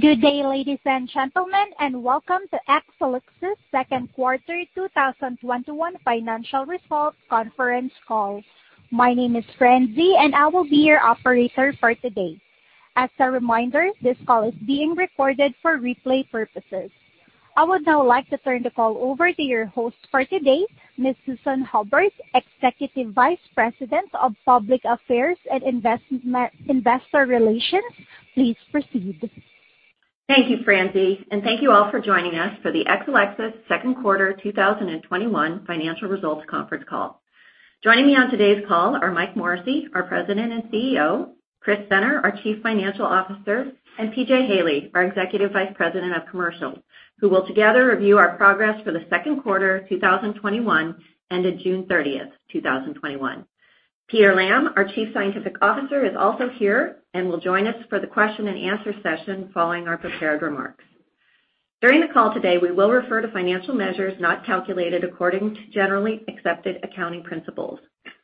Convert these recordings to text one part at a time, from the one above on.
Good day, ladies and gentlemen, and welcome to Exelixis second quarter 2021 financial results conference call. My name is Franzy, and I will be your operator for today. As a reminder, this call is being recorded for replay purposes. I would now like to turn the call over to your host for today, Ms. Susan Hubbard, Executive Vice President of Public Affairs and Investor Relations. Please proceed. Thank you, Franzy, and thank you all for joining us for the Exelixis second quarter 2021 financial results conference call. Joining me on today's call are Mike Morrissey, our President and CEO, Chris Senner, our Chief Financial Officer, and PJ Haley, our Executive Vice President of Commercial, who will together review our progress for the second quarter 2021, ended June 30th, 2021. Peter Lamb, our Chief Scientific Officer, is also here and will join us for the question-and-answer session following our prepared remarks. During the call today, we will refer to financial measures not calculated according to generally accepted accounting principles.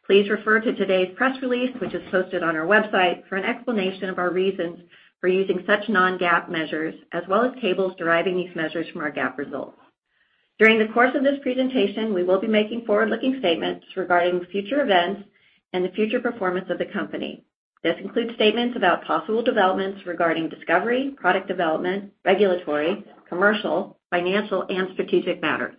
Please refer to today's press release, which is posted on our website, for an explanation of our reasons for using such non-GAAP measures, as well as tables deriving these measures from our GAAP results. During the course of this presentation, we will be making forward-looking statements regarding future events and the future performance of the company. This includes statements about possible developments regarding discovery, product development, regulatory, commercial, financial, and strategic matters.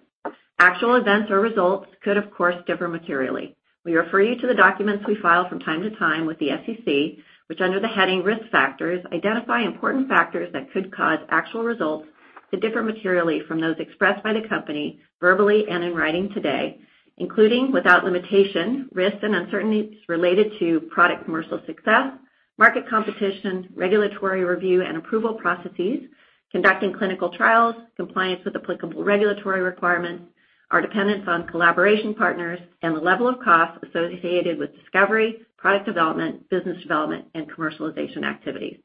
Actual events or results could, of course, differ materially. We refer you to the documents we file from time to time with the SEC, which under the heading Risk Factors, identify important factors that could cause actual results to differ materially from those expressed by the company verbally and in writing today, including without limitation, risks and uncertainties related to product commercial success, market competition, regulatory review and approval processes, conducting clinical trials, compliance with applicable regulatory requirements, our dependence on collaboration partners, and the level of cost associated with discovery, product development, business development, and commercialization activities.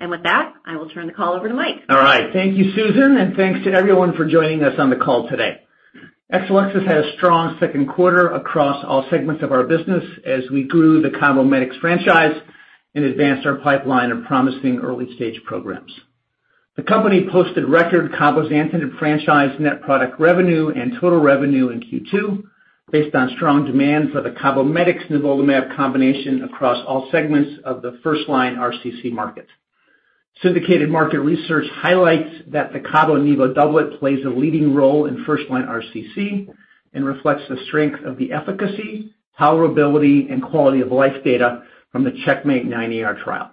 With that, I will turn the call over to Mike. All right. Thank you, Susan, and thanks to everyone for joining us on the call today. Exelixis had a strong second quarter across all segments of our business as we grew the CABOMETYX franchise and advanced our pipeline of promising early-stage programs. The company posted record cabozantinib franchise net product revenue and total revenue in Q2 based on strong demand for the CABOMETYX/nivolumab combination across all segments of the first-line RCC market. Syndicated market research highlights that the cabo nivo doublet plays a leading role in first-line RCC and reflects the strength of the efficacy, tolerability, and quality-of-life data from the CheckMate 9ER trial.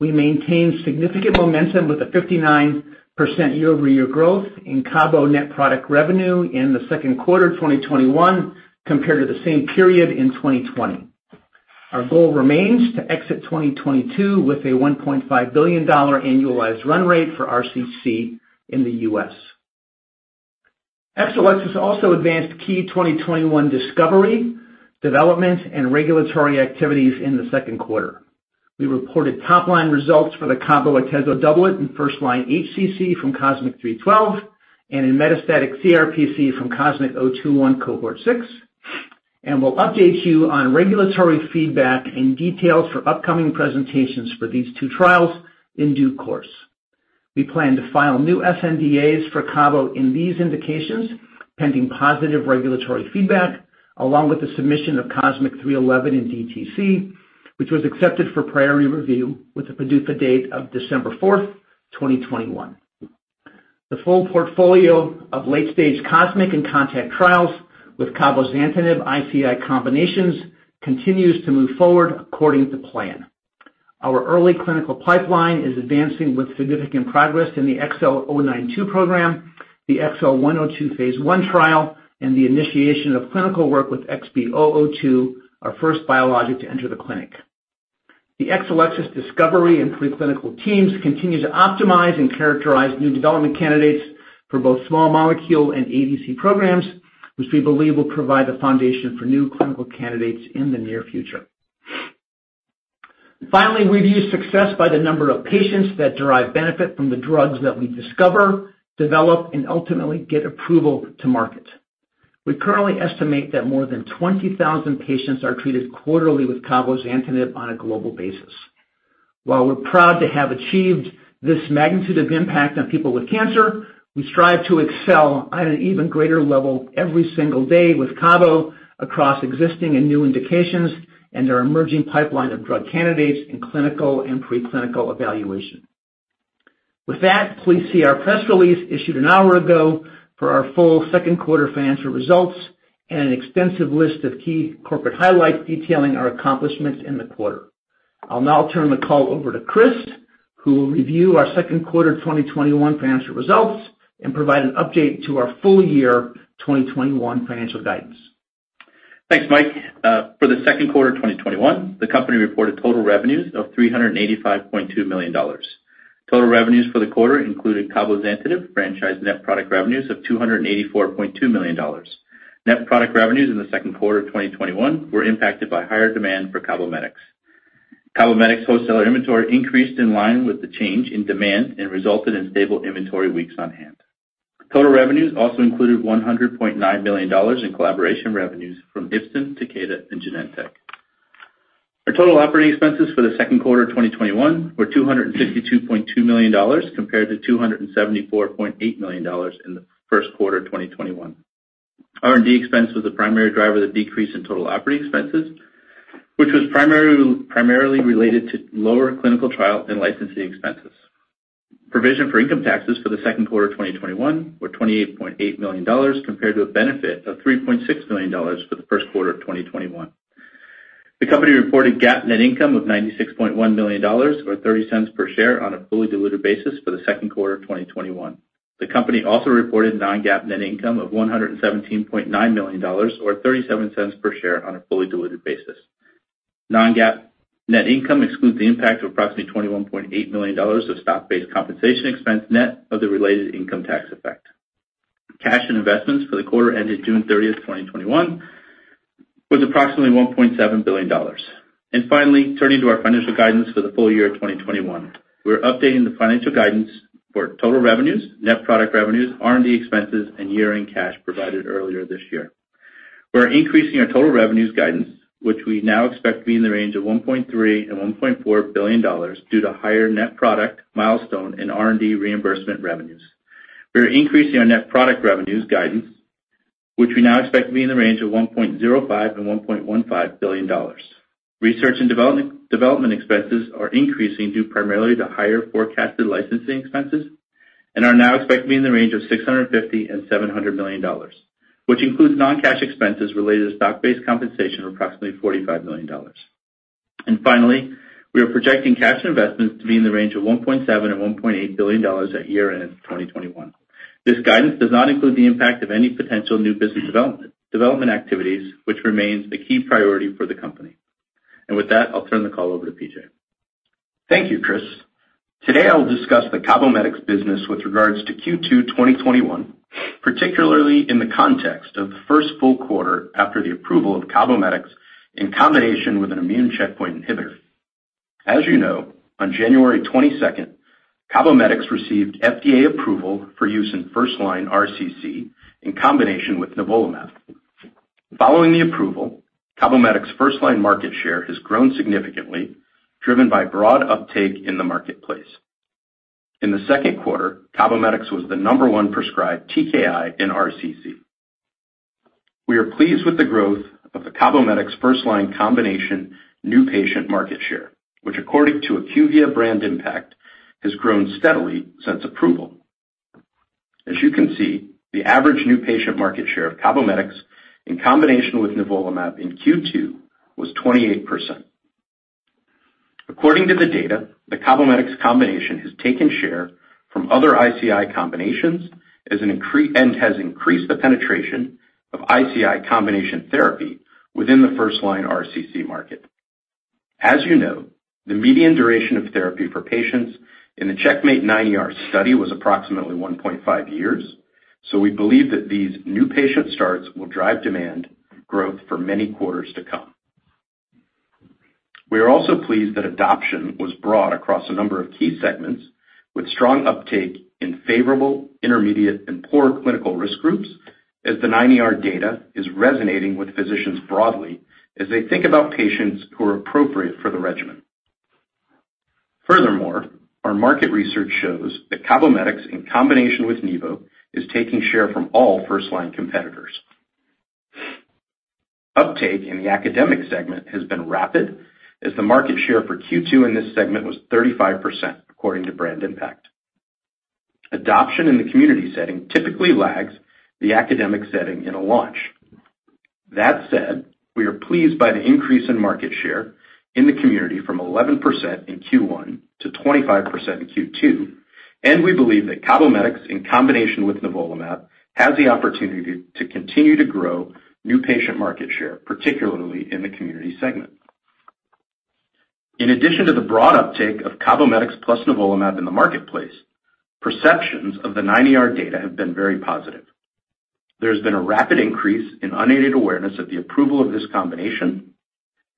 We maintain significant momentum with a 59% year-over-year growth in cabo net product revenue in the second quarter 2021 compared to the same period in 2020. Our goal remains to exit 2022 with a $1.5 billion annualized run rate for RCC in the U.S. Exelixis also advanced key 2021 discovery, development, and regulatory activities in the second quarter. We reported top-line results for the cabo-atezo doublet in first-line HCC from COSMIC-312 and in metastatic CRPC from COSMIC-021 cohort six. We'll update you on regulatory feedback and details for upcoming presentations for these two trials in due course. We plan to file new sNDAs for cabo in these indications, pending positive regulatory feedback, along with the submission of COSMIC-311 in DTC, which was accepted for priority review with a PDUFA date of December 4, 2021. The full portfolio of late-stage COSMIC and CONTACT trials with cabozantinib ICI combinations continues to move forward according to plan. Our early clinical pipeline is advancing with significant progress in the XL092 program, the XL102 phase I trial, and the initiation of clinical work with XB002, our first biologic to enter the clinic. The Exelixis discovery and preclinical teams continue to optimize and characterize new development candidates for both small molecule and ADC programs, which we believe will provide the foundation for new clinical candidates in the near future. Finally, we view success by the number of patients that derive benefit from the drugs that we discover, develop, and ultimately get approval to market. We currently estimate that more than 20,000 patients are treated quarterly with cabozantinib on a global basis. While we're proud to have achieved this magnitude of impact on people with cancer, we strive to excel at an even greater level every single day with cabo across existing and new indications and our emerging pipeline of drug candidates in clinical and preclinical evaluation. Please see our press release issued an hour ago for our full second quarter financial results and an extensive list of key corporate highlights detailing our accomplishments in the quarter. I'll now turn the call over to Chris, who will review our second quarter 2021 financial results and provide an update to our full year 2021 financial guidance. Thanks, Mike. For the second quarter 2021, the company reported total revenues of $385.2 million. Total revenues for the quarter included cabozantinib franchise net product revenues of $284.2 million. Net product revenues in the second quarter of 2021 were impacted by higher demand for CABOMETYX. CABOMETYX wholesaler inventory increased in line with the change in demand and resulted in stable inventory weeks on hand. Total revenues also included $100.9 million in collaboration revenues from Ipsen, Takeda, and Genentech. Our total operating expenses for the second quarter of 2021 were $252.2 million compared to $274.8 million in the first quarter of 2021. R&D expense was the primary driver of the decrease in total operating expenses, which was primarily related to lower clinical trial and licensing expenses. Provision for income taxes for the second quarter of 2021 were $28.8 million, compared to a benefit of $3.6 million for the first quarter of 2021. The company reported GAAP net income of $96.1 million or $0.30 per share on a fully diluted basis for the second quarter of 2021. The company also reported non-GAAP net income of $117.9 million or $0.37 per share on a fully diluted basis. Non-GAAP net income excludes the impact of approximately $21.8 million of stock-based compensation expense net of the related income tax effect. Cash and investments for the quarter ended June 30th, 2021 was approximately $1.7 billion. Finally, turning to our financial guidance for the full year of 2021. We're updating the financial guidance for total revenues, net product revenues, R&D expenses and year-end cash provided earlier this year. We're increasing our total revenues guidance, which we now expect to be in the range of $1.3 billion-$1.4 billion due to higher net product, milestone and R&D reimbursement revenues. We are increasing our net product revenues guidance, which we now expect to be in the range of $1.05 billion-$1.15 billion. Research and development expenses are increasing due primarily to higher forecasted licensing expenses and are now expected to be in the range of $650 million-$700 million, which includes non-cash expenses related to stock-based compensation of approximately $45 million. Finally, we are projecting cash investments to be in the range of $1.7 billion-$1.8 billion at year-end 2021. This guidance does not include the impact of any potential new business development activities, which remains a key priority for the company. With that, I'll turn the call over to PJ. Thank you, Chris. Today, I'll discuss the CABOMETYX business with regards to Q2 2021, particularly in the context of the first full quarter after the approval of CABOMETYX in combination with an immune checkpoint inhibitor. As you know, on January 22nd, CABOMETYX received FDA approval for use in first-line RCC in combination with nivolumab. Following the approval, CABOMETYX first-line market share has grown significantly, driven by broad uptake in the marketplace. In the second quarter, CABOMETYX was the number one prescribed TKI in RCC. We are pleased with the growth of the CABOMETYX first-line combination new patient market share, which according to IQVIA Brand Impact, has grown steadily since approval. As you can see, the average new patient market share of CABOMETYX in combination with nivolumab in Q2 was 28%. According to the data, the CABOMETYX combination has taken share from other ICI combinations and has increased the penetration of ICI combination therapy within the first-line RCC market. As you know, the median duration of therapy for patients in the CheckMate-9ER study was approximately 1.5 years, so we believe that these new patient starts will drive demand growth for many quarters to come. We are also pleased that adoption was broad across a number of key segments with strong uptake in favorable, intermediate, and poor clinical risk groups as the 9ER data is resonating with physicians broadly as they think about patients who are appropriate for the regimen. Our market research shows that CABOMETYX in combination with nivo is taking share from all first-line competitors. Uptake in the academic segment has been rapid as the market share for Q2 in this segment was 35%, according to Brand Impact. Adoption in the community setting typically lags the academic setting in a launch. That said, we are pleased by the increase in market share in the community from 11% in Q1 to 25% in Q2, and we believe that CABOMETYX in combination with nivolumab has the opportunity to continue to grow new patient market share, particularly in the community segment. In addition to the broad uptake of CABOMETYX plus nivolumab in the marketplace, perceptions of the 9ER data have been very positive. There has been a rapid increase in unaided awareness of the approval of this combination,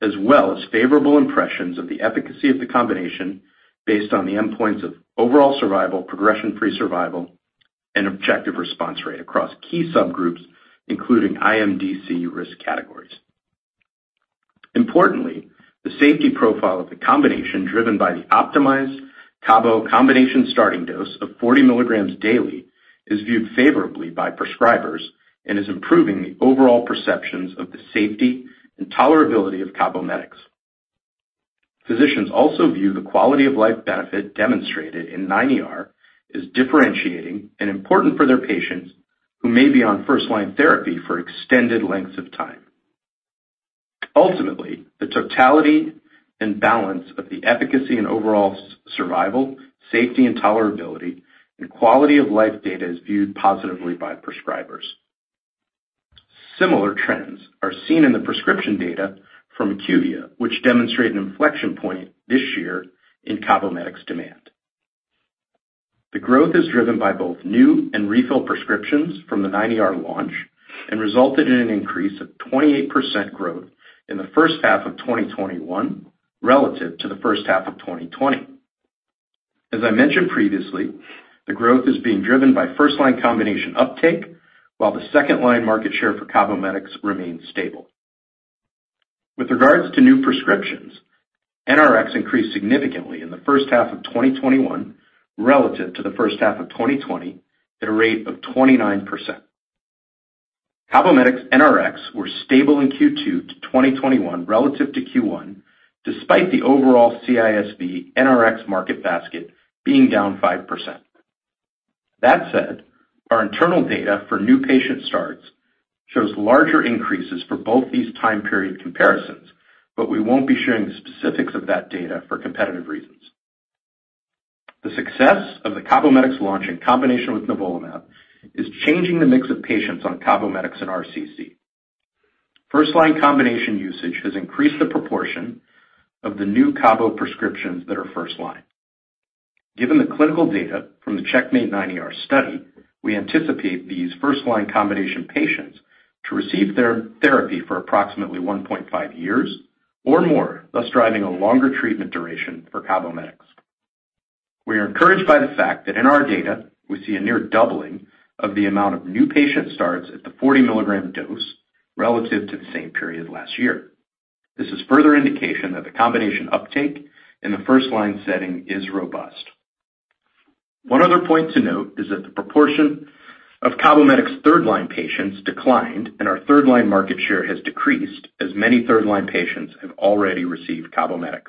as well as favorable impressions of the efficacy of the combination based on the endpoints of overall survival, progression-free survival, and objective response rate across key subgroups, including IMDC risk categories. Importantly, the safety profile of the combination driven by the optimized cabo combination starting dose of 40 mg daily is viewed favorably by prescribers and is improving the overall perceptions of the safety and tolerability of CABOMETYX. Physicians also view the quality-of-life benefit demonstrated in 9ER as differentiating and important for their patients who may be on first-line therapy for extended lengths of time. Ultimately, the totality and balance of the efficacy and overall survival, safety and tolerability and quality-of-life data is viewed positively by prescribers. Similar trends are seen in the prescription data from IQVIA, which demonstrate an inflection point this year in CABOMETYX demand. The growth is driven by both new and refill prescriptions from the 9ER launch and resulted in an increase of 28% growth in the first half of 2021 relative to the first half of 2020. As I mentioned previously, the growth is being driven by first-line combination uptake while the second line market share for CABOMETYX remains stable. With regards to new prescriptions, NRX increased significantly in the first half of 2021 relative to the first half of 2020 at a rate of 29%. CABOMETYX NRX were stable in Q2 2021 relative to Q1, despite the overall CISV NRX market basket being down 5%. That said, our internal data for new patient starts shows larger increases for both these time period comparisons, but we won't be sharing the specifics of that data for competitive reasons. The success of the CABOMETYX launch in combination with nivolumab is changing the mix of patients on CABOMETYX and RCC. First-line combination usage has increased the proportion of the new cabo prescriptions that are first line. Given the clinical data from the CheckMate 9ER study, we anticipate these first-line combination patients to receive their therapy for approximately 1.5 years or more, thus driving a longer treatment duration for CABOMETYX. We are encouraged by the fact that in our data, we see a near doubling of the amount of new patient starts at the 40 mg dose relative to the same period last year. This is further indication that the combination uptake in the first-line setting is robust. One other point to note is that the proportion of CABOMETYX third-line patients declined, and our third-line market share has decreased as many third-line patients have already received CABOMETYX.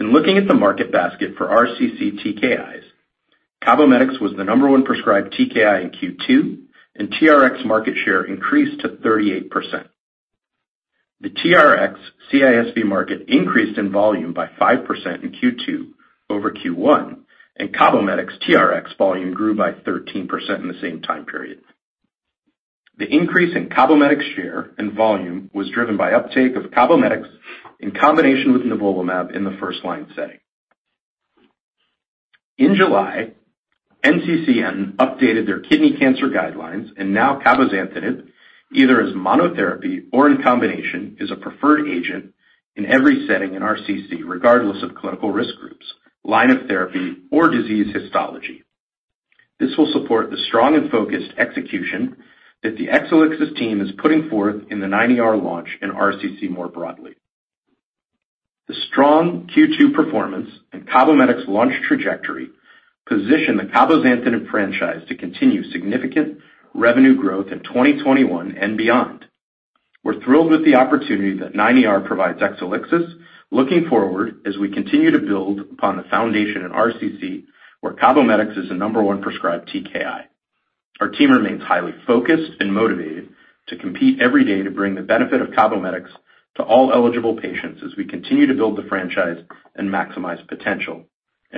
In looking at the market basket for RCC TKIs, CABOMETYX was the number one prescribed TKI in Q2, and TRX market share increased to 38%. The TRX CISV market increased in volume by 5% in Q2 over Q1, and CABOMETYX TRX volume grew by 13% in the same time period. The increase in CABOMETYX share and volume was driven by uptake of CABOMETYX in combination with nivolumab in the first line setting. In July, NCCN updated their kidney cancer guidelines, and now cabozantinib, either as monotherapy or in combination, is a preferred agent in every setting in RCC, regardless of clinical risk groups, line of therapy, or disease histology. This will support the strong and focused execution that the Exelixis team is putting forth in the 9ER launch and RCC more broadly. The strong Q2 performance and CABOMETYX launch trajectory position the cabozantinib franchise to continue significant revenue growth in 2021 and beyond. We're thrilled with the opportunity that 9ER provides Exelixis looking forward as we continue to build upon the foundation in RCC, where CABOMETYX is the number one prescribed TKI. Our team remains highly focused and motivated to compete every day to bring the benefit of CABOMETYX to all eligible patients as we continue to build the franchise and maximize potential.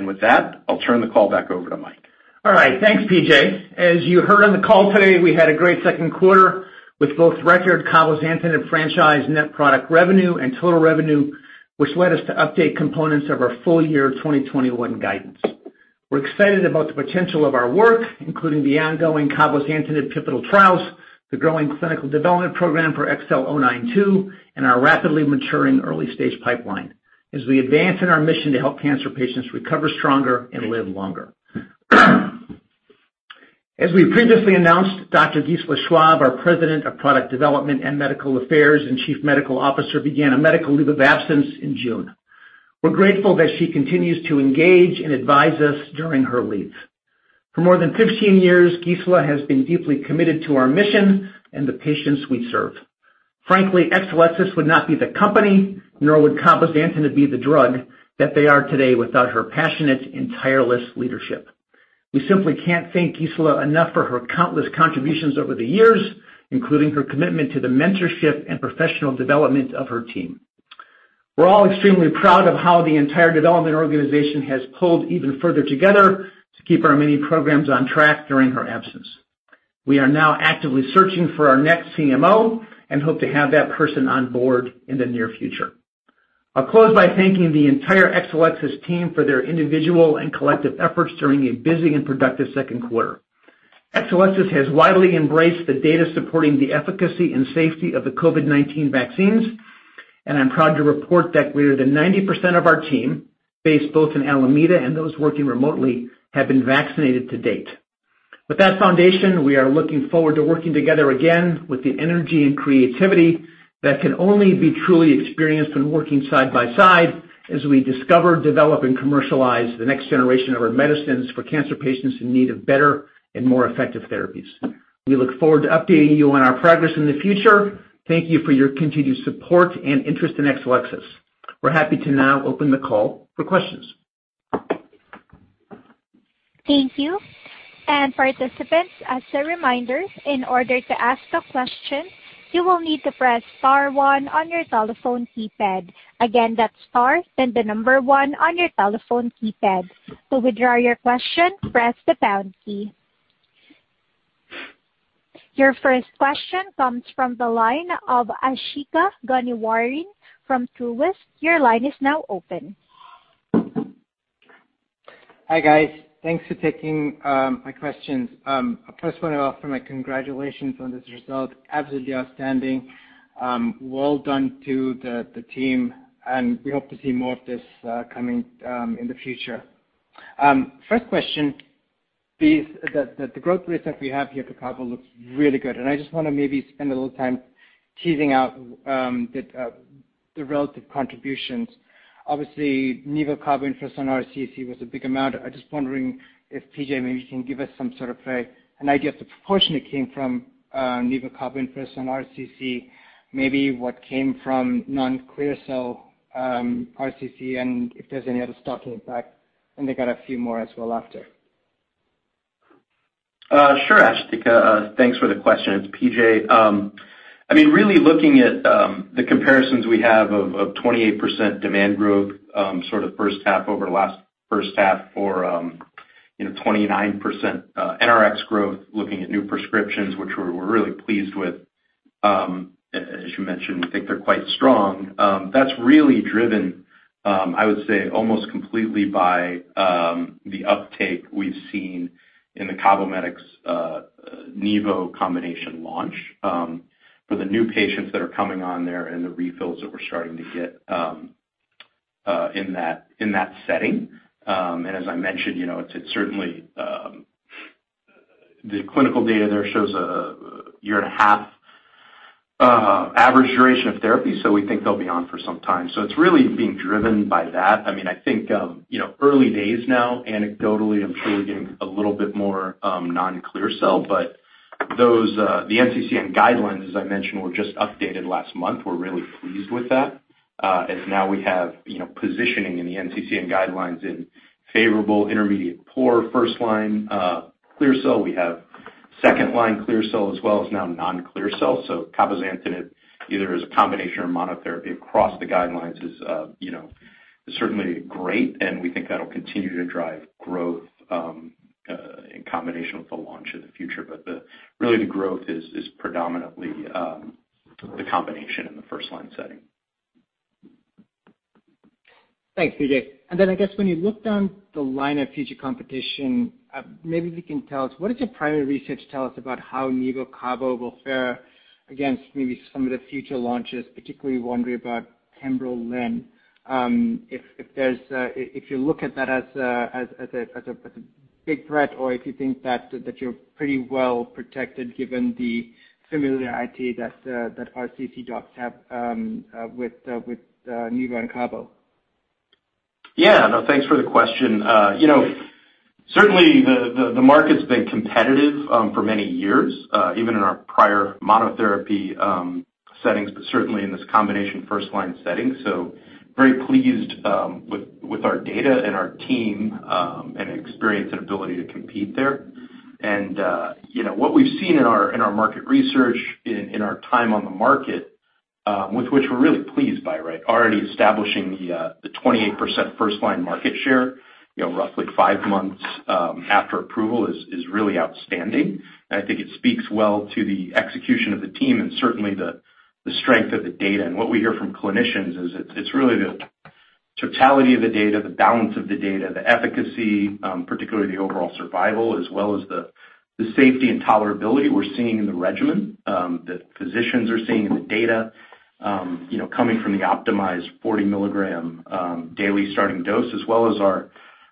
With that, I'll turn the call back over to Mike. All right. Thanks, PJ As you heard on the call today, we had a great second quarter with both record cabozantinib franchise net product revenue and total revenue, which led us to update components of our full year 2021 guidance. We're excited about the potential of our work, including the ongoing cabozantinib pivotal trials, the growing clinical development program for XL092, and our rapidly maturing early-stage pipeline as we advance in our mission to help cancer patients recover stronger and live longer. As we previously announced, Dr. Gisela Schwab, our President of Product Development and Medical Affairs, and Chief Medical Officer, began a medical leave of absence in June. We're grateful that she continues to engage and advise us during her leave. For more than 15 years, Gisela has been deeply committed to our mission and the patients we serve. Frankly, Exelixis would not be the company, nor would cabozantinib be the drug that they are today without her passionate and tireless leadership. We simply can't thank Gisela enough for her countless contributions over the years, including her commitment to the mentorship and professional development of her team. We're all extremely proud of how the entire development organization has pulled even further together to keep our many programs on track during her absence. We are now actively searching for our next CMO and hope to have that person on board in the near future. I'll close by thanking the entire Exelixis team for their individual and collective efforts during a busy and productive second quarter. Exelixis has widely embraced the data supporting the efficacy and safety of the COVID-19 vaccines, and I'm proud to report that greater than 90% of our team, based both in Alameda and those working remotely, have been vaccinated to date. With that foundation, we are looking forward to working together again with the energy and creativity that can only be truly experienced when working side by side as we discover, develop, and commercialize the next generation of our medicines for cancer patients in need of better and more effective therapies. We look forward to updating you on our progress in the future. Thank you for your continued support and interest in Exelixis. We're happy to now open the call for questions. Thank you. And participants, as a reminder, in order to ask a question, you will need to press star one on your telephone keypad. Again, that's star, then the number one on your telephone keypad. To withdraw your question, press the pound key. Your first question comes from the line of Asthika Goonewardene from Truist. Your line is now open. Hi, guys. Thanks for taking my questions. First one, I offer my congratulations on this result. Absolutely outstanding. Well done to the team. We hope to see more of this coming in the future. First question is that the growth rates that we have here for cabo looks really good. I just want to maybe spend a little time teasing out the relative contributions. Obviously, nivo/cabo in first-line on RCC was a big amount. I'm just wondering if PJ maybe can give us some sort of an idea of the proportion that came from nivo/cabo in first-line on RCC, maybe what came from non-clear cell RCC, and if there's any other stuff coming back. I got a few more as well after. Sure, Asthika. Thanks for the question. It's PJ. Really looking at the comparisons we have of 28% demand growth, sort of first half over last first half for 29% NRX growth, looking at new prescriptions, which we're really pleased with, as you mentioned, we think they're quite strong. That's really driven, I would say, almost completely by the uptake we've seen in the CABOMETYX/nivo combination launch for the new patients that are coming on there and the refills that we're starting to get in that setting. As I mentioned, the clinical data there shows a 1.5-year average duration of therapy. We think they'll be on for some time. It's really being driven by that. I think early days now, anecdotally, I'm sure we're getting a little bit more non-clear cell, but the NCCN guidelines, as I mentioned, were just updated last month. We're really pleased with that as now we have positioning in the NCCN guidelines in favorable, intermediate poor, first-line clear cell. We have second-line clear cell as well as now non-clear cell. Cabozantinib, either as a combination or monotherapy across the guidelines is certainly great, and we think that'll continue to drive growth in combination with the launch in the future. Really the growth is predominantly the combination in the first-line setting. Thanks, PJ. I guess when you look down the line of future competition, maybe if you can tell us, what does your primary research tell us about how nivo/cabo will fare against maybe some of the future launches, particularly wondering about pembrolizumab? If you look at that as a big threat or if you think that you're pretty well protected given the familiarity that RCC docs have with nivo and cabo. Yeah. No, thanks for the question. Certainly the market's been competitive for many years, even in our prior monotherapy settings, but certainly in this combination first-line setting. Very pleased with our data and our team and experience and ability to compete there. What we've seen in our market research, in our time on the market, with which we're really pleased by, already establishing the 28% first-line market share roughly five months after approval is really outstanding. I think it speaks well to the execution of the team and certainly the strength of the data. What we hear from clinicians is it's really the totality of the data, the balance of the data, the efficacy, particularly the overall survival, as well as the safety and tolerability we're seeing in the regimen that physicians are seeing in the data coming from the optimized 40 milligram daily starting dose, as well as our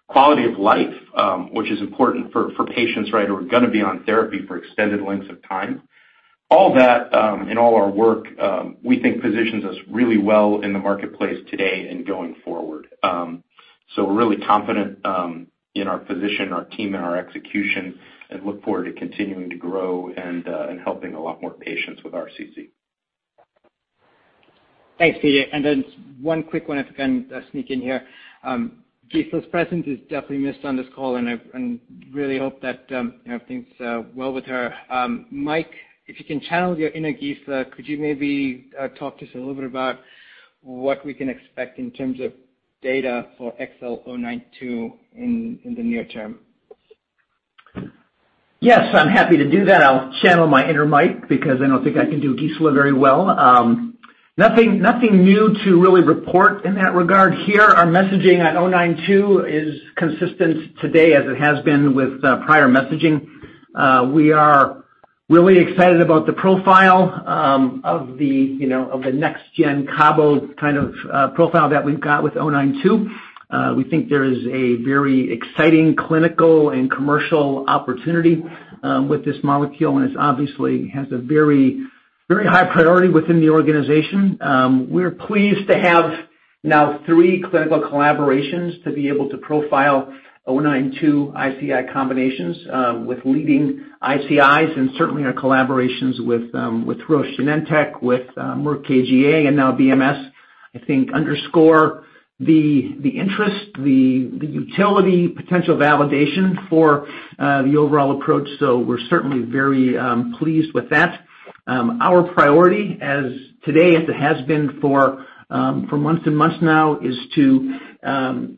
quality of life which is important for patients who are going to be on therapy for extended lengths of time. All that in all our work, we think positions us really well in the marketplace today and going forward. We're really confident in our position, our team, and our execution and look forward to continuing to grow and helping a lot more patients with RCC. Thanks, PJ. One quick one if I can sneak in here. Gisela's presence is definitely missed on this call, and I really hope that things are well with her. Mike, if you can channel your inner Gisela, could you maybe talk to us a little bit about what we can expect in terms of data for XL092 in the near term? Yes, I'm happy to do that. I'll channel my inner Mike because I don't think I can do Gisela very well. Nothing new to really report in that regard here. Our messaging at XL092 is consistent today as it has been with prior messaging. We are really excited about the profile of the next-gen cabo kind of profile that we've got with XL092. We think there is a very exciting clinical and commercial opportunity with this molecule, and it obviously has a very high priority within the organization. We're pleased to have now three clinical collaborations to be able to profile XL092 ICI combinations with leading ICIs and certainly our collaborations with Roche Genentech, with Merck KGaA, and now BMS, I think underscore the interest, the utility potential validation for the overall approach. We're certainly very pleased with that. Our priority today, as it has been for months and months now, is to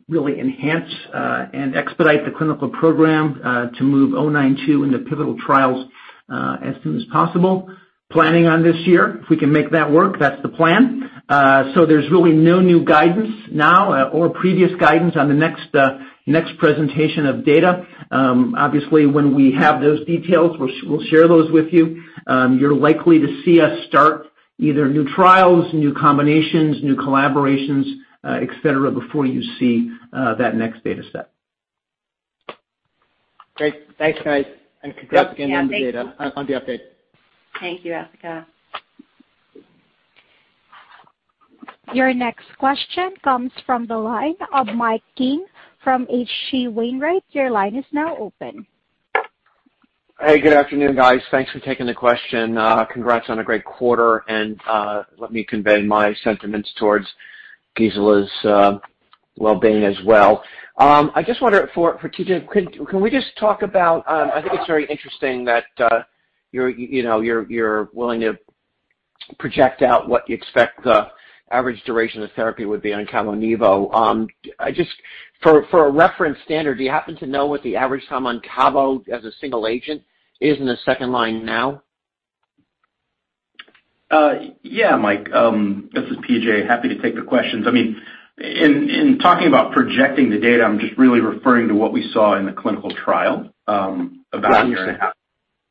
really enhance and expedite the clinical program to move XL092 into pivotal trials as soon as possible. Planning on this year, if we can make that work, that's the plan. There's really no new guidance now or previous guidance on the next presentation of data. Obviously, when we have those details, we'll share those with you. You're likely to see us start either new trials, new combinations, new collaborations, et cetera, before you see that next data set. Great. Thanks, guys. Congrats again on the update. Thank you, Asthika. Your next question comes from the line of Mike King from HC Wainwright. Your line is now open. Hey, good afternoon, guys. Thanks for taking the question. Congrats on a great quarter. Let me convey my sentiments towards Gisela's well-being as well. I just wonder, for PJ, can we just talk about, I think it's very interesting that you're willing to project out what you expect the average duration of therapy would be on cabo nivo. Just for a reference standard, do you happen to know what the average time on cabo as a single agent is in the second line now? Yeah, Mike, this is PJ Happy to take the questions. In talking about projecting the data, I'm just really referring to what we saw in the clinical trial. Right About a year and a half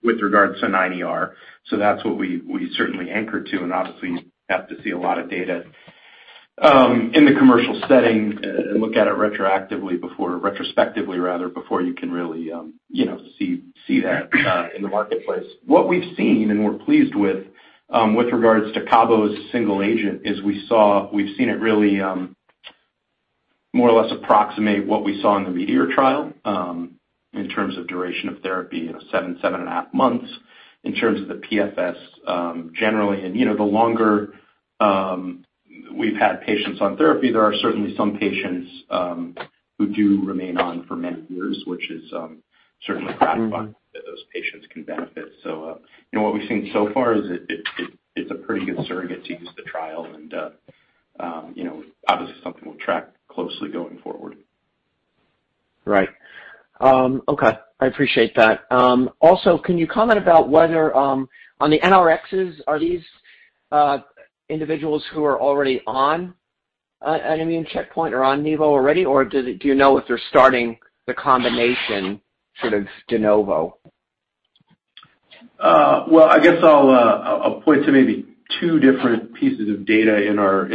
with regards to 9ER. That's what we certainly anchor to, and obviously you have to see a lot of data in the commercial setting and look at it retrospectively before you can really see that in the marketplace. What we've seen and we're pleased with regards to cabo as a single agent, is we've seen it really more or less approximate what we saw in the METEOR trial in terms of duration of therapy, seven and a half months, in terms of the PFS generally. The longer we've had patients on therapy, there are certainly some patients who do remain on for many years, which is certainly gratifying that those patients can benefit. What we've seen so far is it's a pretty good surrogate to use the trial and obviously something we'll track closely going forward. Right. Okay. I appreciate that. Can you comment about whether on the NRXs, are these individuals who are already on an immune checkpoint or on nivo already, or do you know if they're starting the combination sort of de novo? I guess I'll point to maybe two different pieces of data in our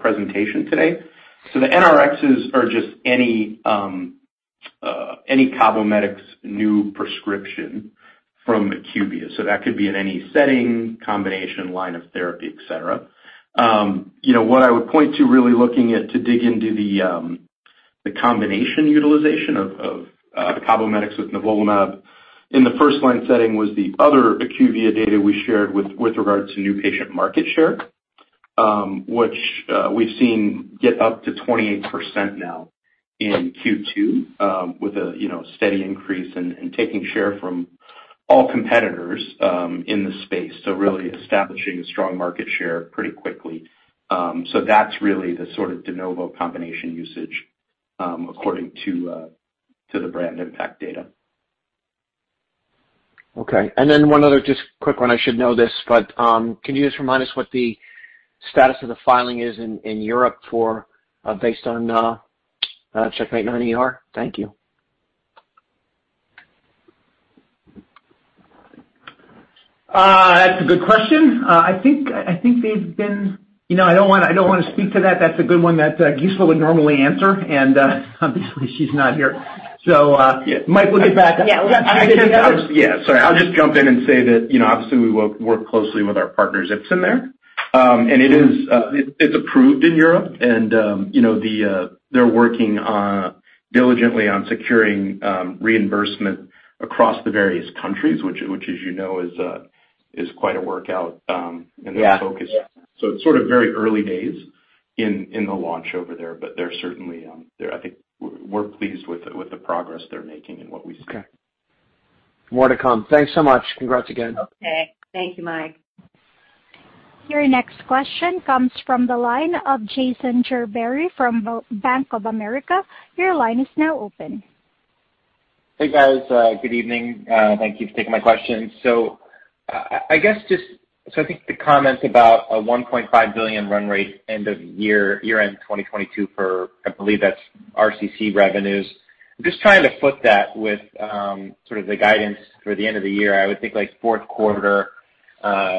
presentation today. The NRXs are just any CABOMETYX new prescription from IQVIA. That could be in any setting, combination, line of therapy, et cetera. What I would point to really looking at to dig into the combination utilization of CABOMETYX with nivolumab in the first-line setting was the other IQVIA data we shared with regards to new patient market share, which we've seen get up to 28% now in Q2 with a steady increase and taking share from all competitors in the space. Really establishing a strong market share pretty quickly. That's really the sort of de novo combination usage, according to the Brand Impact data. Okay. One other just quick one. I should know this, but can you just remind us what the status of the filing is in Europe based on CheckMate 9ER? Thank you. That's a good question. I don't want to speak to that. That's a good one that Gisela would normally answer, and obviously she's not here. Mike, we'll get back. Yeah. Yeah, sorry, I'll just jump in and say that obviously we work closely with our partner Ipsen there. It's approved in Europe, and they're working diligently on securing reimbursement across the various countries, which as you know, is quite a workout. Yeah and their focus. It's sort of very early days in the launch over there, but they're certainly I think we're pleased with the progress they're making and what we see. Okay. More to come. Thanks so much. Congrats again. Okay. Thank you, Mike. Your next question comes from the line of Jason Gerberry from Bank of America. Your line is now open. Hey, guys. Good evening. Thank you for taking my question. I think the comment about a $1.5 billion run rate end of year-end 2022 for, I believe that's RCC revenues. I'm just trying to foot that with sort of the guidance for the end of the year. I would think like fourth quarter,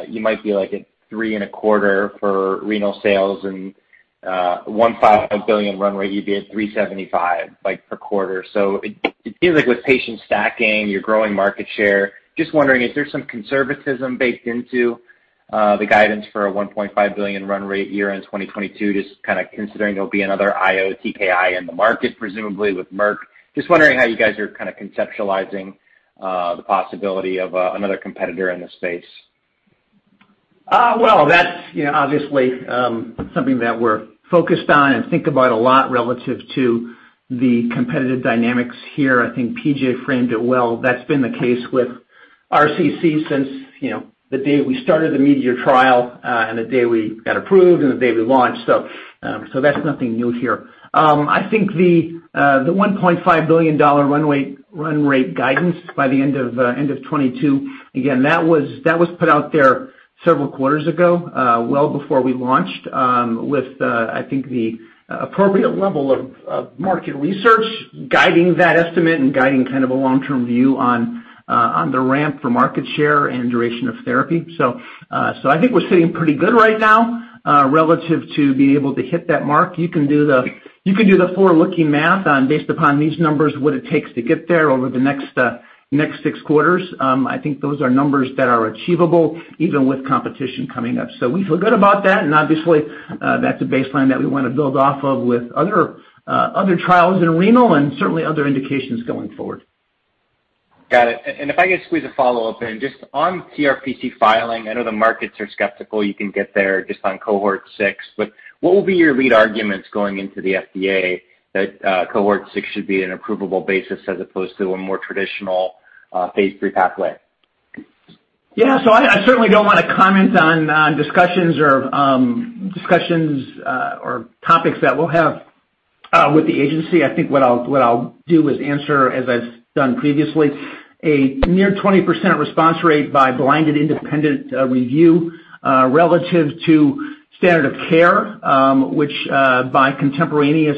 you might be like at $325 million for renal sales and $1.5 billion run rate, you'd be at $375 million per quarter. It seems like with patient stacking, you're growing market share. Just wondering, is there some conservatism baked into the guidance for a $1.5 billion run rate year-end 2022, just kind of considering there'll be another IO TKI in the market, presumably with Merck? Just wondering how you guys are kind of conceptualizing the possibility of another competitor in the space. Well, that's obviously something that we're focused on and think about a lot relative to the competitive dynamics here, I think PJ framed it well. That's been the case with RCC since the day we started the METEOR trial, and the day we got approved and the day we launched. That's nothing new here. I think the $1.5 billion run rate guidance by the end of 2022, again, that was put out there several quarters ago, well before we launched, with, I think, the appropriate level of market research guiding that estimate and guiding a long-term view on the ramp for market share and duration of therapy. I think we're sitting pretty good right now relative to being able to hit that mark. You can do the forward-looking math on, based upon these numbers, what it takes to get there over the next six quarters. I think those are numbers that are achievable even with competition coming up. We feel good about that, and obviously, that's a baseline that we want to build off of with other trials in renal and certainly other indications going forward. Got it. If I could squeeze a follow-up in, just on CRPC filing, I know the markets are skeptical you can get there just on cohort six, but what will be your lead arguments going into the FDA that cohort six should be an approvable basis as opposed to a more traditional phase III pathway? I certainly don't want to comment on discussions or topics that we'll have with the agency. I think what I'll do is answer, as I've done previously, a near 20% response rate by blinded independent review, relative to standard of care, which, by contemporaneous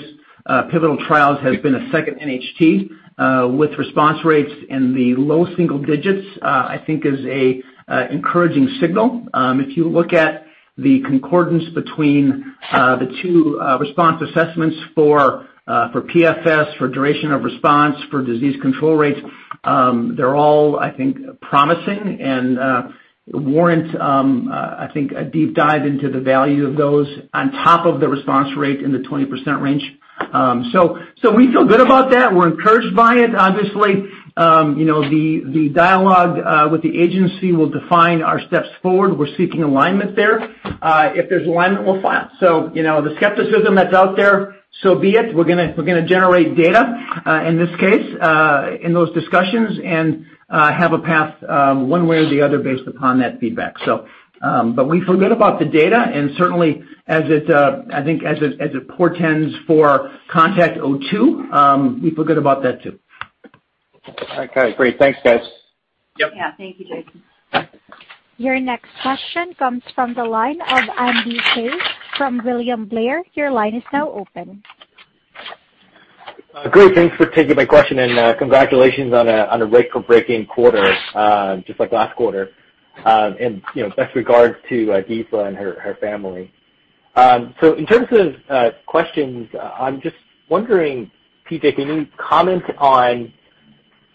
pivotal trials, has been a second NHT with response rates in the low single digits, I think is an encouraging signal. If you look at the concordance between the two response assessments for PFS, for duration of response, for disease control rates, they're all, I think, promising and warrant a deep dive into the value of those on top of the response rate in the 20% range. We feel good about that. We're encouraged by it, obviously. The dialogue with the agency will define our steps forward. We're seeking alignment there. If there's alignment, we'll file. The skepticism that's out there, so be it. We're going to generate data, in this case, in those discussions and have a path one way or the other based upon that feedback. We feel good about the data and certainly as it portends for CONTACT-02, we feel good about that too. Okay, great. Thanks, guys. Yep. Yeah. Thank you, Jason. Your next question comes from the line of Andy Hsieh from William Blair. Your line is now open. Great. Thanks for taking my question. Congratulations on a record-breaking quarter, just like last quarter. Best regards to Deepa and her family. In terms of questions, I'm just wondering, PJ, can you comment on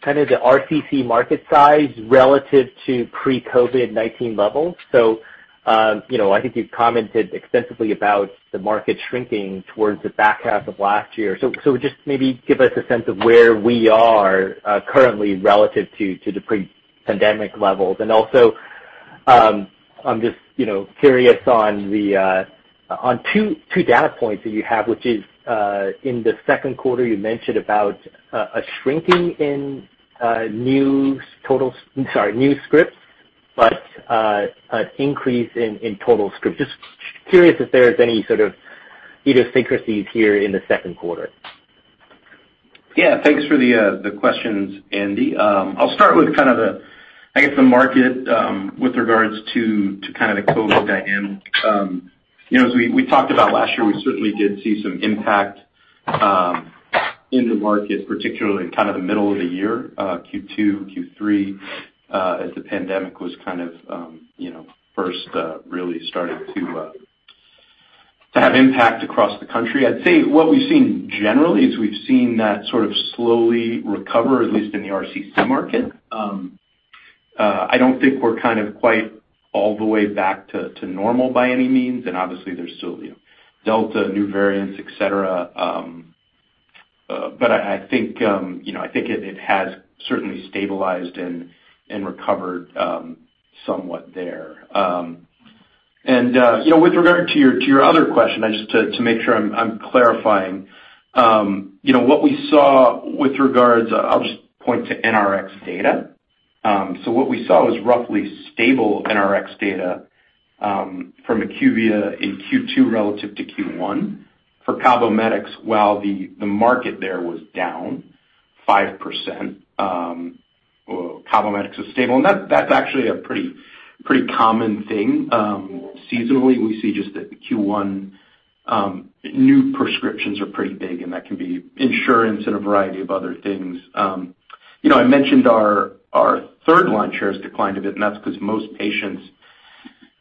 kind of the RCC market size relative to pre-COVID-19 levels? I think you've commented extensively about the market shrinking towards the back half of last year. Just maybe give us a sense of where we are currently relative to the pre-pandemic levels. Also, I'm just curious on two data points that you have, which is, in the second quarter, you mentioned about a shrinking in new scripts, but an increase in total scripts. Just curious if there's any sort of idiosyncrasies here in the second quarter. Thanks for the questions, Andy. I'll start with the market with regards to the COVID-19 dynamic. As we talked about last year, we certainly did see some impact in the market, particularly in the middle of the year, Q2, Q3, as the pandemic first really started to have impact across the country. I'd say what we've seen generally is we've seen that sort of slowly recover, at least in the RCC market. I don't think we're quite all the way back to normal by any means, and obviously there's still Delta, new variants, et cetera. I think it has certainly stabilized and recovered somewhat there. With regard to your other question, just to make sure I'm clarifying. What we saw, I'll just point to NRX data. What we saw was roughly stable NRX data from IQVIA in Q2 relative to Q1. For CABOMETYX, while the market there was down 5%, CABOMETYX was stable. That's actually a pretty common thing. Seasonally, we see just that Q1 new prescriptions are pretty big, and that can be insurance and a variety of other things. I mentioned our third-line shares declined a bit, and that's because most patients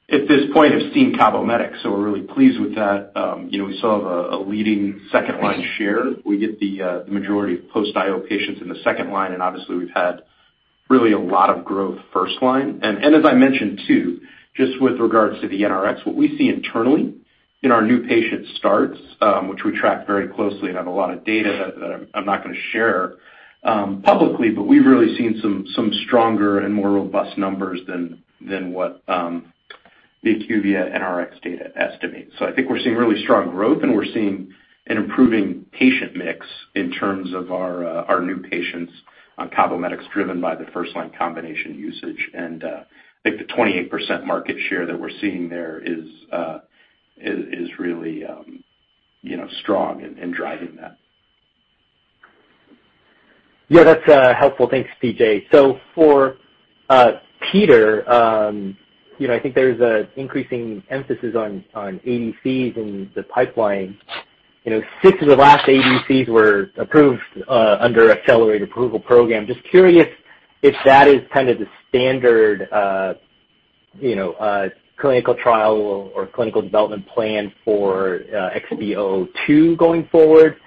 at this point have seen CABOMETYX, so we're really pleased with that. We still have a leading second-line share. We get the majority of post-IO patients in the second-line, and obviously we've had really a lot of growth first-line. As I mentioned too, just with regards to the NRX, what we see internally in our new patient starts, which we track very closely and have a lot of data that I'm not going to share publicly, but we've really seen some stronger and more robust numbers than what the IQVIA and RX data estimates. I think we're seeing really strong growth, and we're seeing an improving patient mix in terms of our new patients on CABOMETYX driven by the first-line combination usage. I think the 28% market share that we're seeing there is really strong in driving that. Yeah, that's helpful. Thanks, PJ. For Peter, I think there's an increasing emphasis on ADCs in the pipeline. Six of the last ADCs were approved under accelerated approval program. Just curious if that is the standard clinical trial or clinical development plan for XB002 going forward.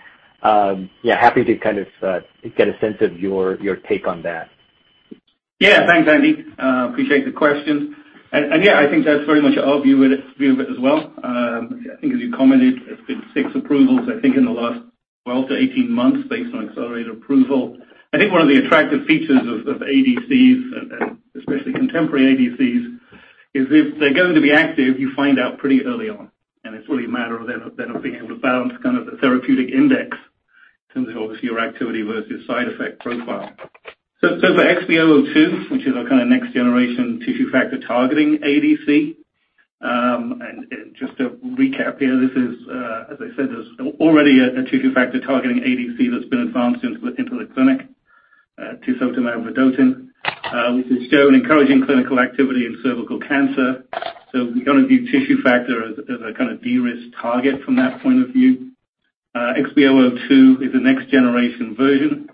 Happy to get a sense of your take on that. Yeah. Thanks, Andy. Appreciate the question. I think that's very much our view of it as well. I think as you commented, it's been six approvals, I think, in the last 12-18 months based on accelerated approval. I think one of the attractive features of ADCs, especially contemporary ADCs, is if they're going to be active, you find out pretty early on, it's really a matter of then of being able to balance the therapeutic index in terms of obviously your activity versus side effect profile. For XB002, which is our next generation tissue factor targeting ADC, just to recap here, this is, as I said, is already a tissue factor targeting ADC that's been advanced into the clinic, tisotumab vedotin, which has shown encouraging clinical activity in cervical cancer. We kind of view tissue factor as a kind of de-risk target from that point of view. XB002 is the next generation version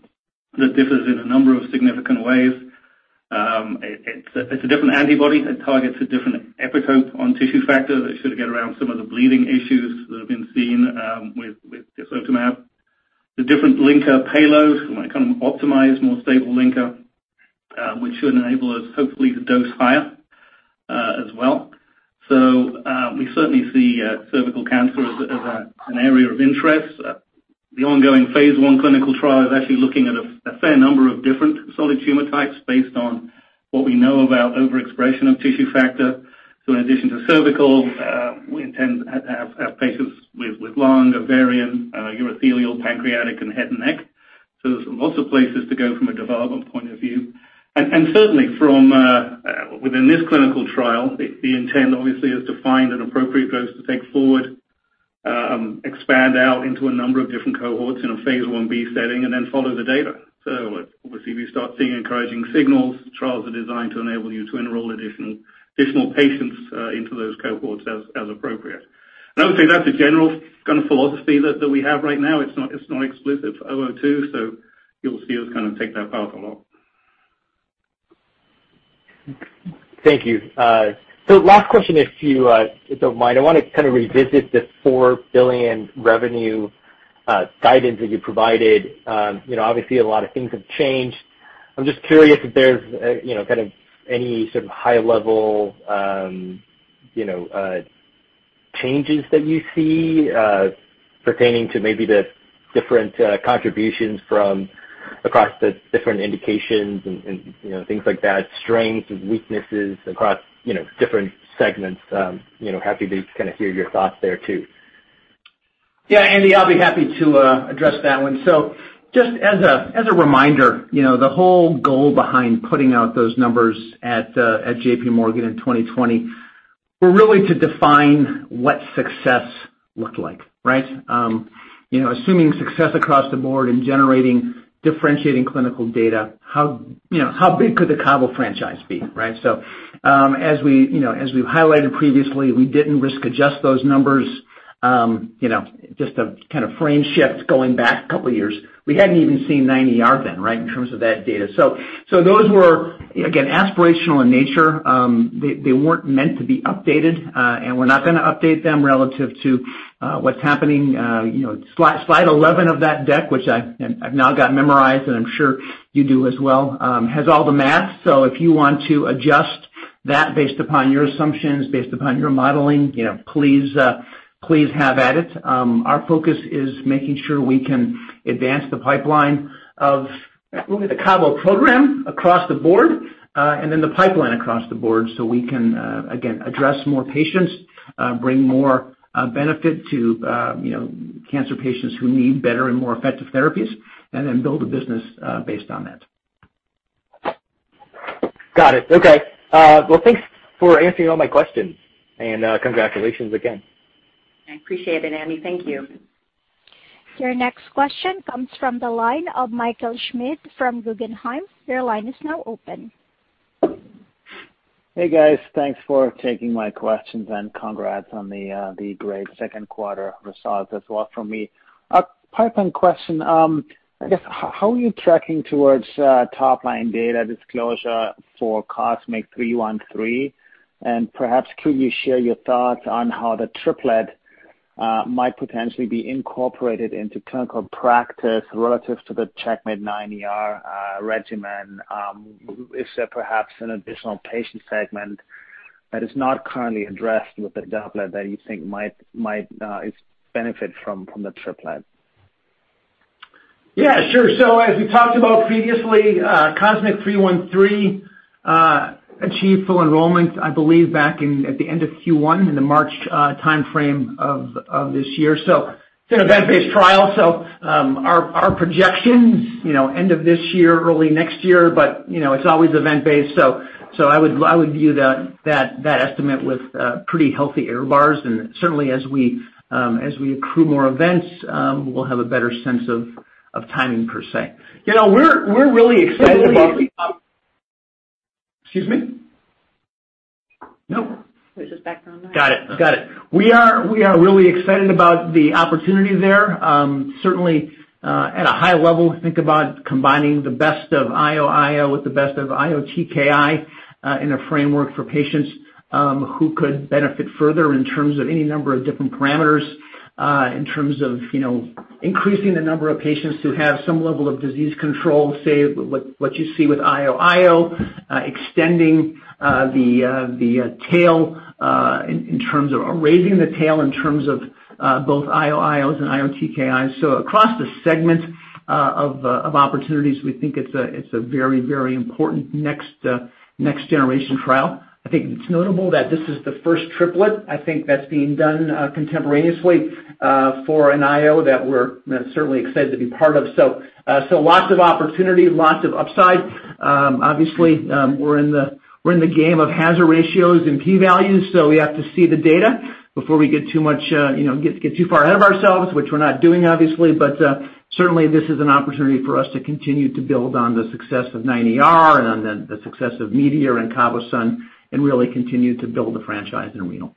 that differs in a number of significant ways. It's a different antibody. It targets a different epitope on tissue factor that should get around some of the bleeding issues that have been seen with tisotumab. The different linker payload, optimized more stable linker, which should enable us hopefully to dose higher as well. We certainly see cervical cancer as an area of interest. The ongoing phase I clinical trial is actually looking at a fair number of different solid tumor types based on what we know about overexpression of tissue factor. In addition to cervical, we intend to have patients with lung, ovarian, urothelial, pancreatic, and head and neck. There's lots of places to go from a development point of view. Certainly from within this clinical trial, the intent obviously is to find an appropriate dose to take forward, expand out into a number of different cohorts in a phase I-B setting, then follow the data. Obviously, we start seeing encouraging signals. Trials are designed to enable you to enroll additional patients into those cohorts as appropriate. I would say that's a general kind of philosophy that we have right now. It's not exclusive for XB002, so you'll see us take that path a lot. Thank you. Last question, if you don't mind. I want to revisit the $4 billion revenue guidance that you provided. Obviously, a lot of things have changed. I'm just curious if there's any sort of high level changes that you see pertaining to maybe the different contributions from across the different indications and things like that, strengths and weaknesses across different segments. Happy to just hear your thoughts there too. Yeah, Andy, I'll be happy to address that one. Just as a reminder, the whole goal behind putting out those numbers at JPMorgan in 2020 were really to define what success looked like, right? Assuming success across the board in generating differentiating clinical data, how big could the cabo franchise be, right? As we've highlighted previously, we didn't risk adjust those numbers. Just a frame shift going back a couple of years, we hadn't even seen 9ER then, right, in terms of that data. Those were, again, aspirational in nature. They weren't meant to be updated, and we're not going to update them relative to what's happening. Slide 11 of that deck, which I've now got memorized, and I'm sure you do as well, has all the math. If you want to adjust that based upon your assumptions, based upon your modeling, please have at it. Our focus is making sure we can advance the pipeline of really the cabo program across the board, and then the pipeline across the board so we can, again, address more patients, bring more benefit to cancer patients who need better and more effective therapies, and then build a business based on that. Got it. Okay. Well, thanks for answering all my questions, and congratulations again. I appreciate it, Andy. Thank you. Your next question comes from the line of Michael Schmidt from Guggenheim. Your line is now open. Hey, guys. Thanks for taking my questions and congrats on the great second quarter results as well from me. A pipeline question. I guess, how are you tracking towards topline data disclosure for COSMIC-313? Perhaps could you share your thoughts on how the triplet might potentially be incorporated into clinical practice relative to the CheckMate 9ER regimen? Is there perhaps an additional patient segment that is not currently addressed with the doublet that you think might benefit from the triplet? Yeah, sure. As we talked about previously, COSMIC-313 achieved full enrollment, I believe back at the end of Q1, in the March timeframe of this year. It's an event-based trial. Our projections, end of this year, early next year, but it's always event-based. I would view that estimate with pretty healthy error bars. Certainly as we accrue more events, we'll have a better sense of timing, per se. Excuse me? Nope. It was just back on that. Got it. We are really excited about the opportunity there. Certainly at a high level, think about combining the best of IOIO with the best of IOTKI in a framework for patients who could benefit further in terms of any number of different parameters, in terms of increasing the number of patients who have some level of disease control, say, what you see with IOIO, extending the tail, raising the tail in terms of both IOIOs and IOTKIs. Across the segment of opportunities, we think it's a very important next generation trial. I think it's notable that this is the first triplet. I think that's being done contemporaneously for an IO that we're certainly excited to be part of. Lots of opportunity, lots of upside. Obviously, we're in the game of hazard ratios and P values. We have to see the data before we get too far ahead of ourselves, which we're not doing, obviously. Certainly, this is an opportunity for us to continue to build on the success of 9ER and on the success of METEOR and CABOSUN, and really continue to build a franchise in renal.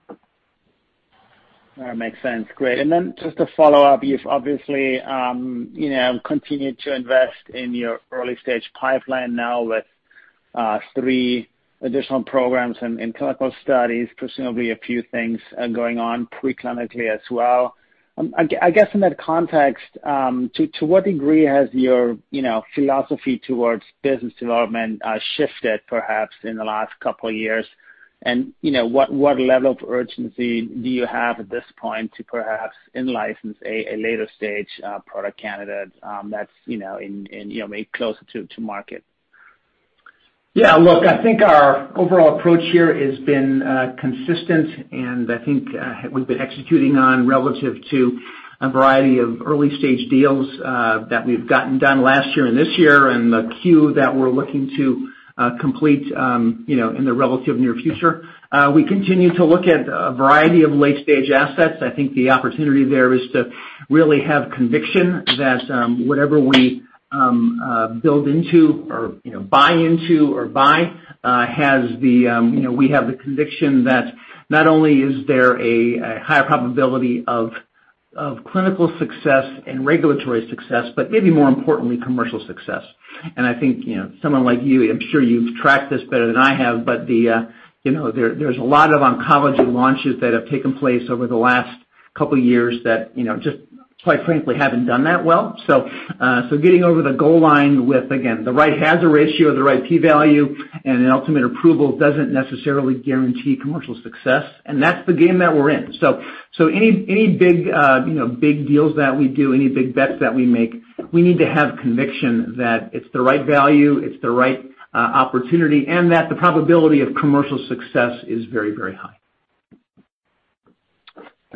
That makes sense. Great. Then just a follow-up, you've obviously continued to invest in your early-stage pipeline now with three additional programs in clinical studies. Presumably a few things are going on pre-clinically as well. I guess in that context, to what degree has your philosophy towards business development shifted, perhaps in the last couple of years? And what level of urgency do you have at this point to perhaps in-license a later-stage product candidate that's maybe closer to market? Yeah, look, I think our overall approach here has been consistent. I think we've been executing on relative to a variety of early-stage deals that we've gotten done last year and this year, and the queue that we're looking to complete in the relative near future. We continue to look at a variety of late-stage assets. I think the opportunity there is to really have conviction that whatever we build into or buy into or buy, we have the conviction that not only is there a higher probability of clinical success and regulatory success, but maybe more importantly, commercial success. I think someone like you, I'm sure you've tracked this better than I have, but there's a lot of oncology launches that have taken place over the last couple of years that just quite frankly, haven't done that well. Getting over the goal line with, again, the right hazard ratio, the right P value, and an ultimate approval doesn't necessarily guarantee commercial success. That's the game that we're in. Any big deals that we do, any big bets that we make, we need to have conviction that it's the right value, it's the right opportunity, and that the probability of commercial success is very high.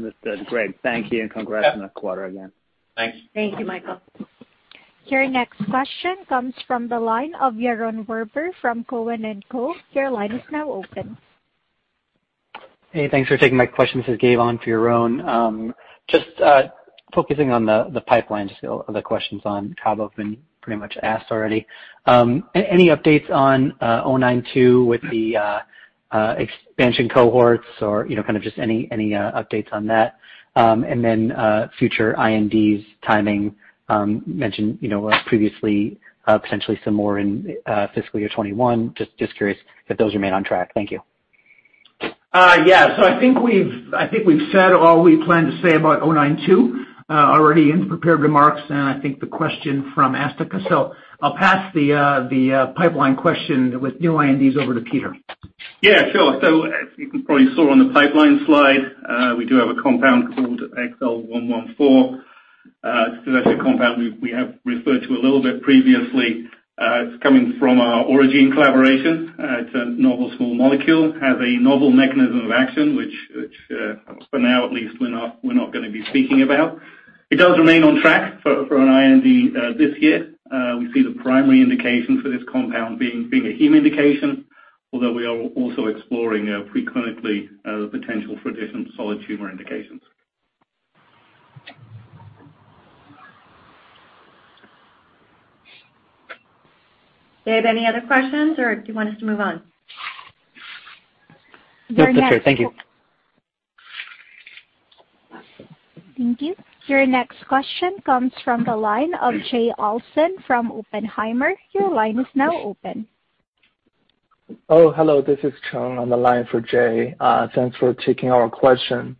Understood. Great. Thank you and congrats on the quarter again. Thanks. Thank you, Michael. Your next question comes from the line of Yaron Werber from Cowen and Co. Your line is now open. Hey, thanks for taking my question. This is Gabe on for Yaron. Focusing on the pipeline. The other questions on cabo have been pretty much asked already. Any updates on XL092 with the expansion cohorts or kind of just any updates on that? Future INDs timing, mentioned previously potentially some more in fiscal year 2021. Just curious if those remain on track. Thank you. Yeah. I think we've said all we plan to say about XL092 already in prepared remarks, and I think the question from Asthika. I'll pass the pipeline question with new INDs over to Peter. Yeah, sure. As you can probably saw on the pipeline slide, we do have a compound called XL114. That's a compound we have referred to a little bit previously. It's coming from our Aurigene collaboration. It's a novel small molecule, has a novel mechanism of action, which for now at least we're not going to be speaking about. It does remain on track for an IND this year. We see the primary indication for this compound being a heme indication, although we are also exploring pre-clinically the potential for different solid tumor indications. Gabe, any other questions, or do you want us to move on? No, that's it. Thank you. Thank you. Your next question comes from the line of Jay Olson from Oppenheimer. Your line is now open. Oh, hello. This is Cheng on the line for Jay Olson. Thanks for taking our question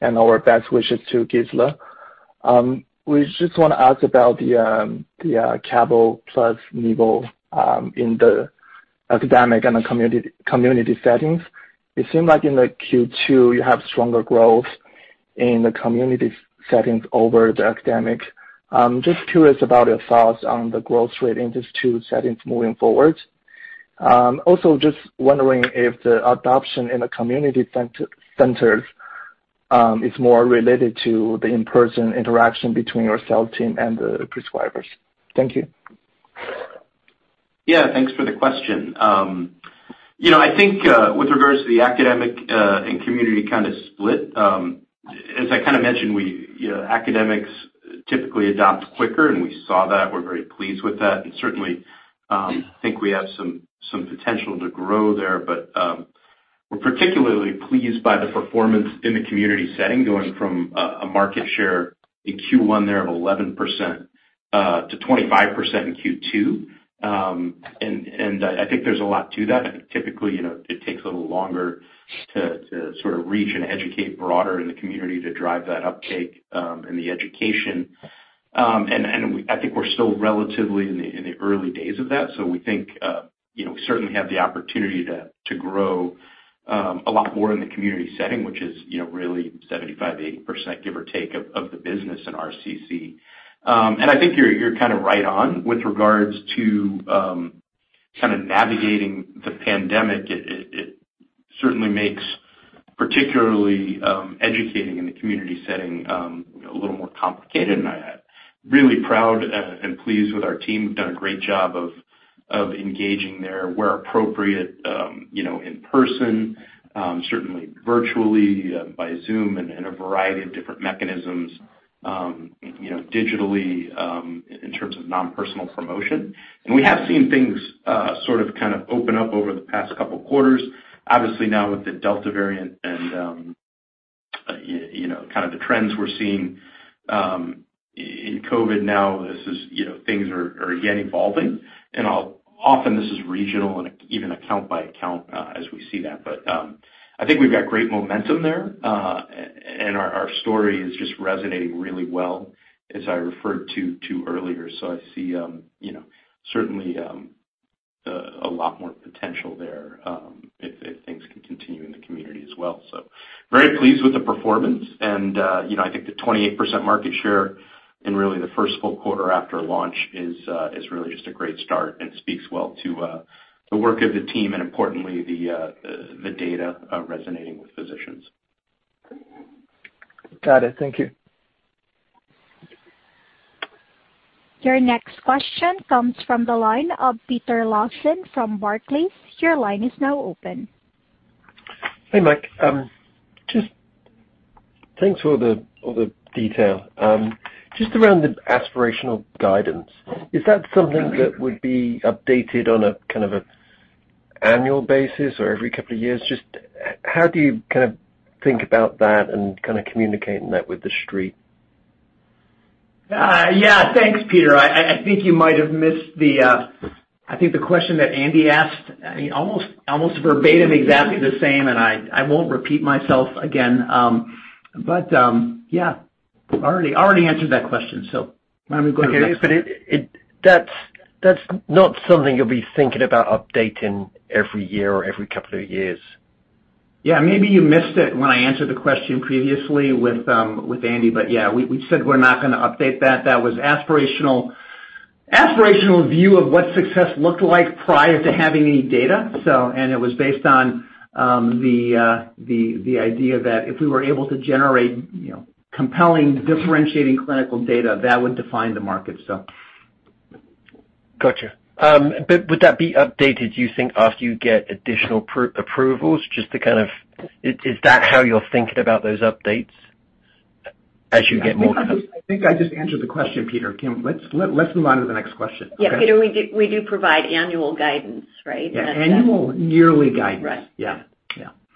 and our best wishes to Gisela. We just want to ask about the cabo plus nivo in the academic and community settings. It seems like in Q2 you have stronger growth in the community settings over the academic. Just curious about your thoughts on the growth rate in these two settings moving forward. Also, just wondering if the adoption in the community centers is more related to the in-person interaction between your sales team and the prescribers. Thank you. Yeah, thanks for the question. With regards to the academic and community split, as I mentioned, academics typically adopt quicker, and we saw that. We're very pleased with that and certainly think we have some potential to grow there. We're particularly pleased by the performance in the community setting, going from a market share in Q1 there of 11% to 25% in Q2. There's a lot to that. Typically, it takes a little longer to sort of reach and educate broader in the community to drive that uptake and the education. We're still relatively in the early days of that. We think we certainly have the opportunity to grow a lot more in the community setting, which is really 75%-80%, give or take, of the business in RCC. I think you're right on with regards to navigating the pandemic. It certainly makes particularly educating in the community setting a little more complicated. I am really proud and pleased with our team, who've done a great job of engaging there where appropriate in person, certainly virtually by Zoom, and a variety of different mechanisms digitally in terms of non-personal promotion. We have seen things sort of open up over the past couple of quarters. Obviously, now with the Delta variant and the trends we're seeing in COVID-19 now, things are again evolving. Often this is regional and even account by account as we see that. I think we've got great momentum there, and our story is just resonating really well as I referred to earlier. I see certainly a lot more potential there if things can continue in the community as well. Very pleased with the performance, and I think the 28% market share in really the first full quarter after launch is really just a great start and speaks well to the work of the team and importantly, the data resonating with physicians. Got it. Thank you. Your next question comes from the line of Peter Lawson from Barclays. Your line is now open. Hey, Mike. Just thanks for all the detail. Just around the aspirational guidance, is that something that would be updated on a kind of annual basis or every couple of years? Just how do you think about that and communicate that with the street? Yeah, thanks, Peter. I think you might have missed the question that Andy asked, almost verbatim, exactly the same. I won't repeat myself again. Yeah, I already answered that question. Why don't we go to the next one? Okay. That's not something you'll be thinking about updating every year or every couple of years? Yeah, maybe you missed it when I answered the question previously with Andy, we said we're not going to update that. That was aspirational view of what success looked like prior to having any data. It was based on the idea that if we were able to generate compelling differentiating clinical data, that would define the market. Got you. Would that be updated, do you think, after you get additional approvals? Is that how you're thinking about those updates? I think I just answered the question, Peter. Let's move on to the next question. Okay? Yeah, Peter, we do provide annual guidance, right? Yeah, annual yearly guidance. Right. Yeah.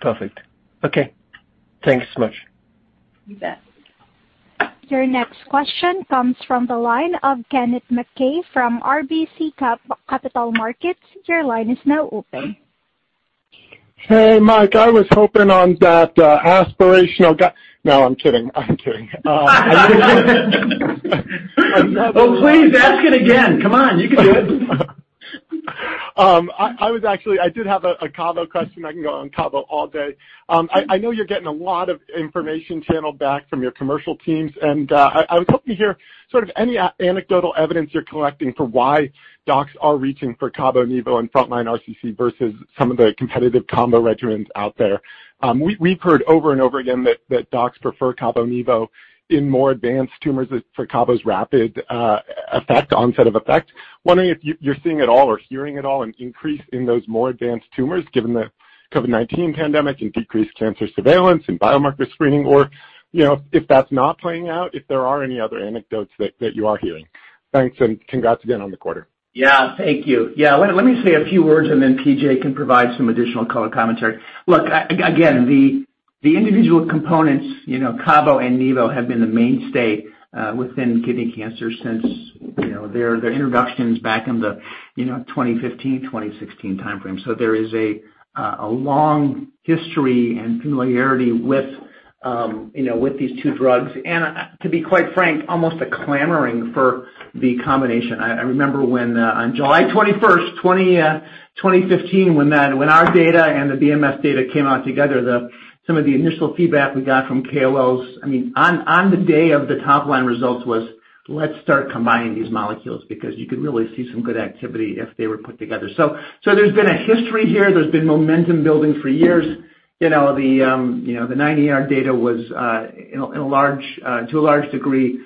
Perfect. Okay. Thanks so much. You bet. Your next question comes from the line of Kennen MacKay from RBC Capital Markets. Your line is now open. Hey, Mike, I was hoping on that. No, I'm kidding. Oh, please ask it again. Come on, you can do it. I was actually I did have a cabo question. I can go on cabo all day. I know you're getting a lot of information channeled back from your commercial teams, and I was hoping to hear sort of any anecdotal evidence you're collecting for why docs are reaching for cabo-nivo in frontline RCC versus some of the competitive combo regimens out there. We've heard over and over again that docs prefer cabo-nivo in more advanced tumors for cabo's rapid onset of effect. Wondering if you're seeing it all or hearing it all, an increase in those more advanced tumors, given the COVID-19 pandemic and decreased cancer surveillance and biomarker screening, or if that's not playing out, if there are any other anecdotes that you are hearing. Thanks, and congrats again on the quarter. Thank you. Let me say a few words, then PJ can provide some additional color commentary. Look, again, the individual components, cabo and nivo, have been the mainstay within kidney cancer since their introductions back in the 2015, 2016 timeframe. There is a long history and familiarity with. With these two drugs, to be quite frank, almost a clamoring for the combination. I remember when on July 21st, 2015, when our data and the BMS data came out together, some of the initial feedback we got from KOLs on the day of the top-line results was, "Let's start combining these molecules," because you could really see some good activity if they were put together. There's been a history here. There's been momentum building for years. The 9ER data to a large degree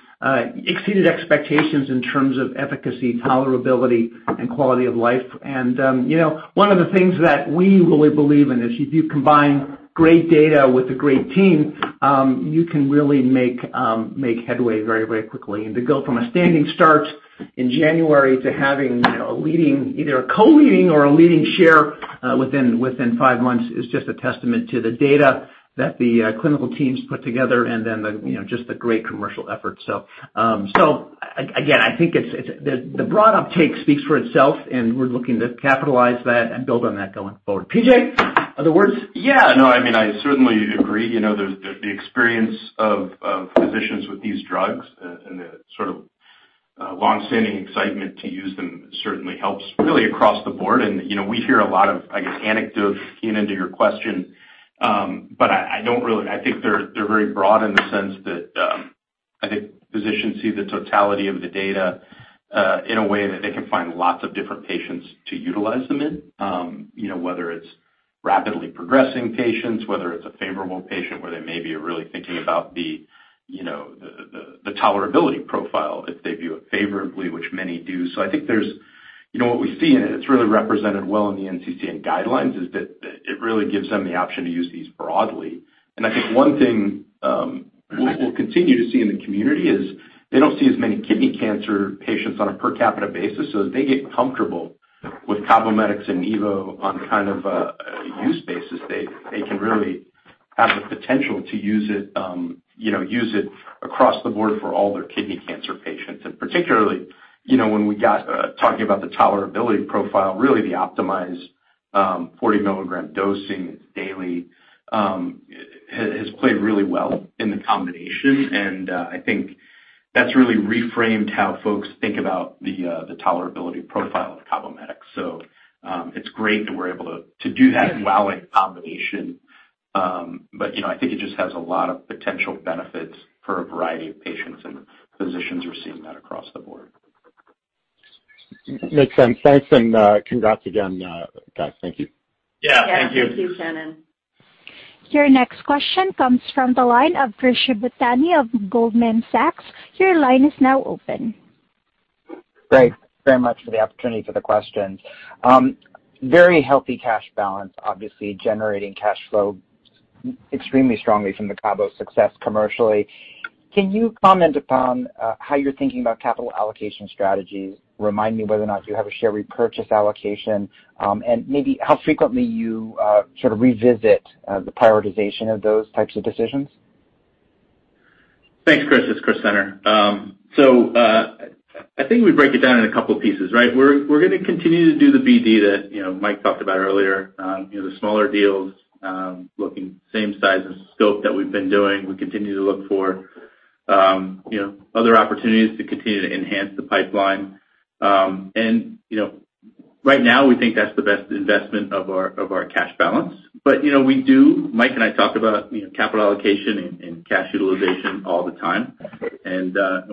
exceeded expectations in terms of efficacy, tolerability, and quality of life. One of the things that we really believe in is if you combine great data with a great team, you can really make headway very quickly. To go from a standing start in January to having either a co-leading or a leading share within five months is just a testament to the data that the clinical teams put together and then just the great commercial effort. Again, I think the broad uptake speaks for itself, and we're looking to capitalize that and build on that going forward. PJ, other words? Yeah. No, I certainly agree. The experience of physicians with these drugs and the sort of longstanding excitement to use them certainly helps really across the board. We hear a lot of, I guess, anecdote key into your question. I think they're very broad in the sense that I think physicians see the totality of the data in a way that they can find lots of different patients to utilize them in. Whether it's rapidly progressing patients, whether it's a favorable patient where they may be really thinking about the tolerability profile if they view it favorably, which many do. I think what we see, and it's really represented well in the NCCN guidelines, is that it really gives them the option to use these broadly. I think 1 thing we'll continue to see in the community is they don't see as many kidney cancer patients on a per capita basis. As they get comfortable with CABOMETYX and nivo on a use basis, they can really have the potential to use it across the board for all their kidney cancer patients. Particularly, when we got talking about the tolerability profile, really the optimized 40 mg dosing daily has played really well in the combination. I think that's really reframed how folks think about the tolerability profile of CABOMETYX. It's great that we're able to do that well in combination. I think it just has a lot of potential benefits for a variety of patients, and physicians are seeing that across the board. Makes sense. Thanks. Congrats again, guys. Thank you. Yeah. Thank you. Yeah. Thank you, Kennen. Your next question comes from the line of Chris Shibutani of Goldman Sachs. Your line is now open. Thanks very much for the opportunity for the questions. Very healthy cash balance, obviously generating cash flow extremely strongly from the cabo success commercially. Can you comment upon how you're thinking about capital allocation strategies? Remind me whether or not you have a share repurchase allocation, and maybe how frequently you sort of revisit the prioritization of those types of decisions. Thanks, Chris. It's Chris Senner. I think we break it down into two pieces, right? We're going to continue to do the BD that Mike talked about earlier. The smaller deals, looking same size and scope that we've been doing. We continue to look for other opportunities to continue to enhance the pipeline. Right now, we think that's the best investment of our cash balance. Mike and I talk about capital allocation and cash utilization all the time.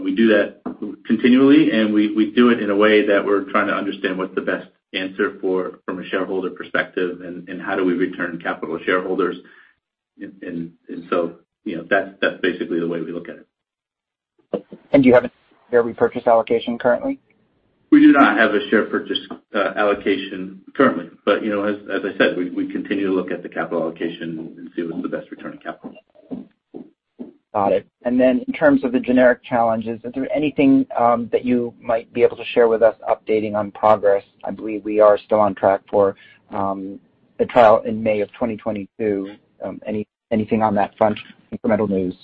We do that continually, and we do it in a way that we're trying to understand what the best answer from a shareholder perspective and how do we return capital to shareholders. That's basically the way we look at it. Do you have a share repurchase allocation currently? We do not have a share purchase allocation currently. As I said, we continue to look at the capital allocation and see what's the best return on capital. Got it. In terms of the generic challenges, is there anything that you might be able to share with us updating on progress? I believe we are still on track for the trial in May of 2022. Anything on that front? Incremental news?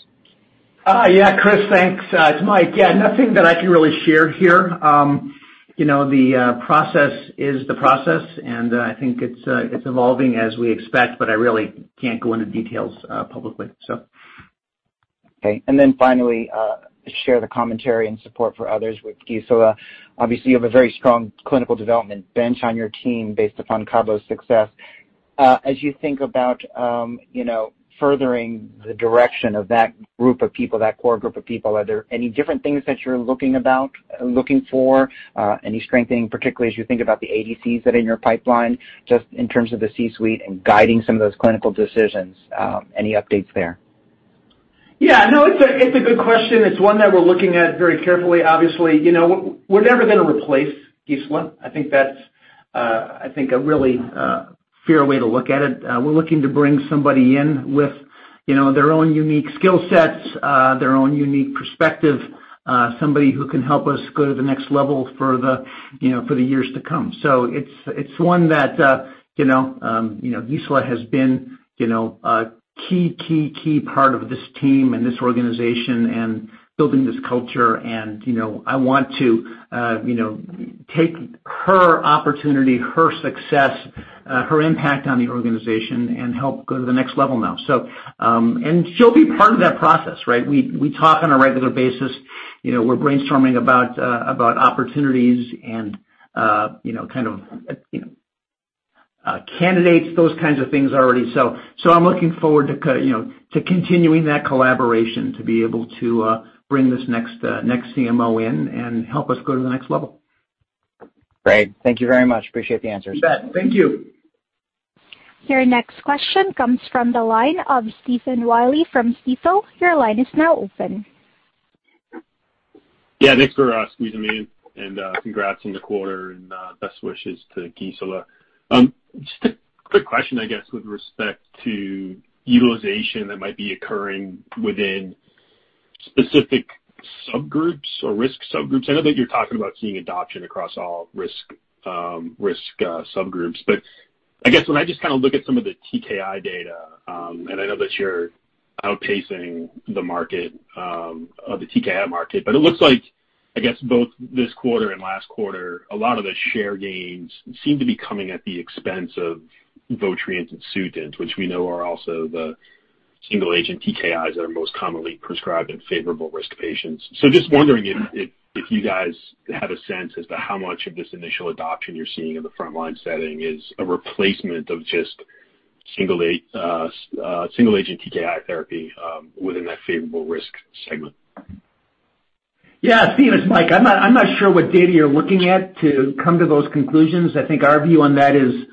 Yeah. Chris, thanks. It's Mike. Yeah, nothing that I can really share here. The process is the process, and I think it's evolving as we expect, but I really can't go into details publicly. Okay. Share the commentary and support for others with Gisela. Obviously, you have a very strong clinical development bench on your team based upon cabo's success. As you think about furthering the direction of that group of people, that core group of people, are there any different things that you're looking for? Any strengthening, particularly as you think about the ADCs that are in your pipeline, just in terms of the C-suite and guiding some of those clinical decisions? Any updates there? Yeah. No, it's a good question. It's one that we're looking at very carefully. Obviously, we're never going to replace Gisela. I think that's a really fair way to look at it. We're looking to bring somebody in with their own unique skill sets, their own unique perspective, somebody who can help us go to the next level for the years to come. It's one that Gisela has been a key part of this team and this organization and building this culture. I want to take her opportunity, her success, her impact on the organization, and help go to the next level now. She'll be part of that process, right? We talk on a regular basis. We're brainstorming about opportunities and kind of candidates, those kinds of things already. I'm looking forward to continuing that collaboration, to be able to bring this next CMO in and help us go to the next level. Great. Thank you very much. Appreciate the answers. You bet. Thank you. Your next question comes from the line of Stephen Willey from Stifel. Your line is now open. Thanks for squeezing me in, and congrats on the quarter, and best wishes to Gisela. Just a quick question, I guess, with respect to utilization that might be occurring within specific subgroups or risk subgroups. I know that you're talking about seeing adoption across all risk subgroups, but I guess when I just kind of look at some of the TKI data, and I know that you're outpacing the TKI market, but it looks like, I guess both this quarter and last quarter, a lot of the share gains seem to be coming at the expense of VOTRIENT and SUTENT, which we know are also the single agent TKIs that are most commonly prescribed in favorable risk patients. Just wondering if you guys have a sense as to how much of this initial adoption you're seeing in the frontline setting is a replacement of just single agent TKI therapy within that favorable risk segment? Yeah, Stephen, it's Mike. I'm not sure what data you're looking at to come to those conclusions. I think our view on that is